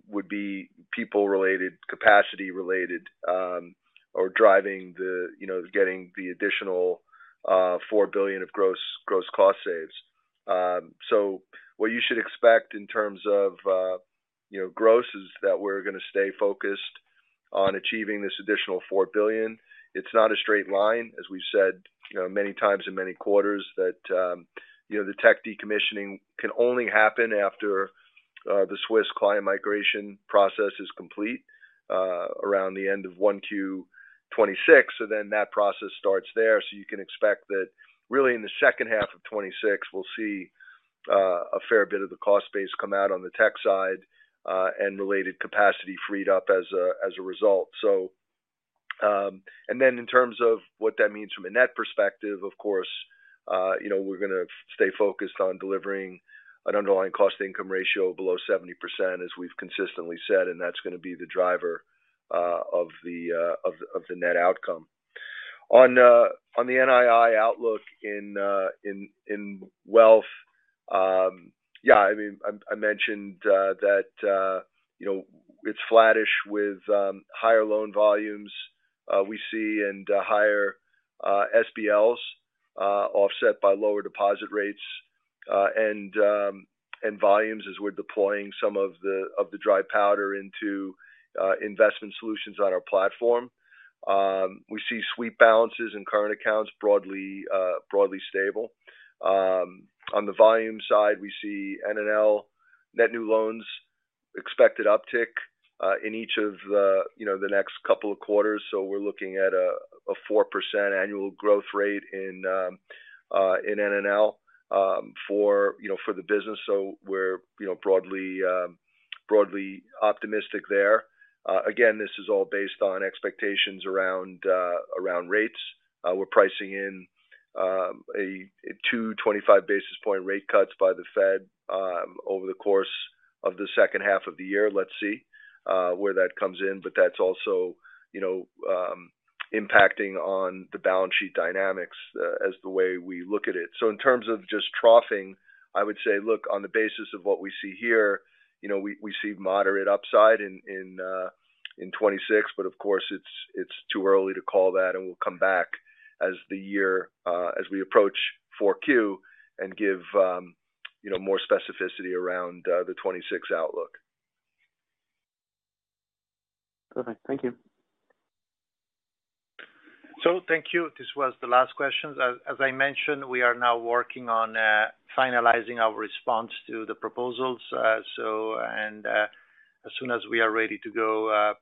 would be people-related, capacity-related, or driving the getting the additional $4 billion of gross cost saves. What you should expect in terms of gross is that we're going to stay focused on achieving this additional $4 billion. It's not a straight line, as we've said many times in many quarters, that the tech decommissioning can only happen after the Swiss client migration process is complete around the end of Q2 2026. That process starts there. You can expect that really in the second half of 2026, we'll see a fair bit of the cost base come out on the tech side and related capacity freed up as a result. In terms of what that means from a net perspective, of course, we're going to stay focused on delivering an underlying cost-income ratio below 70%, as we've consistently said, and that's going to be the driver of the net outcome. On the NII outlook in Wealth, yeah, I mean, I mentioned that it's flattish with higher loan volumes we see and higher SBLs offset by lower deposit rates and volumes as we're deploying some of the dry powder into investment solutions on our platform. We see sweep balances and current accounts broadly stable. On the volume side, we see NNL net new loans expected uptick in each of the next couple of quarters. We're looking at a 4% annual growth rate in NNL for the business, so we're broadly optimistic there. Again, this is all based on expectations around rates. We're pricing in two 25 basis point rate cuts by the Fed over the course of the second half of the year. Let's see where that comes in, but that's also impacting on the balance sheet dynamics as the way we look at it. In terms of just troughing, I would say, look, on the basis of what we see here, we see moderate upside in. 2026, but of course, it's too early to call that. We'll come back as the year as we approach Q4 and give more specificity around the 2026 outlook. Perfect. Thank you. Thank you. This was the last question. As I mentioned, we are now working on finalizing our response to the proposals. As soon as we are ready to go,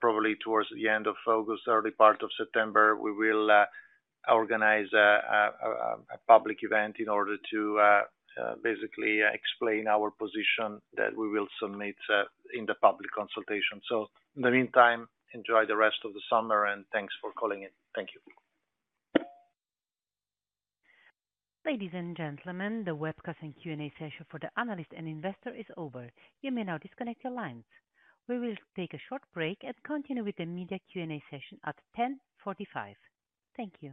probably towards the end of August, early part of September, we will organize a public event in order to basically explain our position that we will submit in the public consultation. In the meantime, enjoy the rest of the summer, and thanks for calling in. Thank you. Ladies and gentlemen, the webcast and Q&A session for the analysts and investors is over. You may now disconnect your lines. We will take a short break and continue with the media Q&A session at 10:45 A.M. Thank you.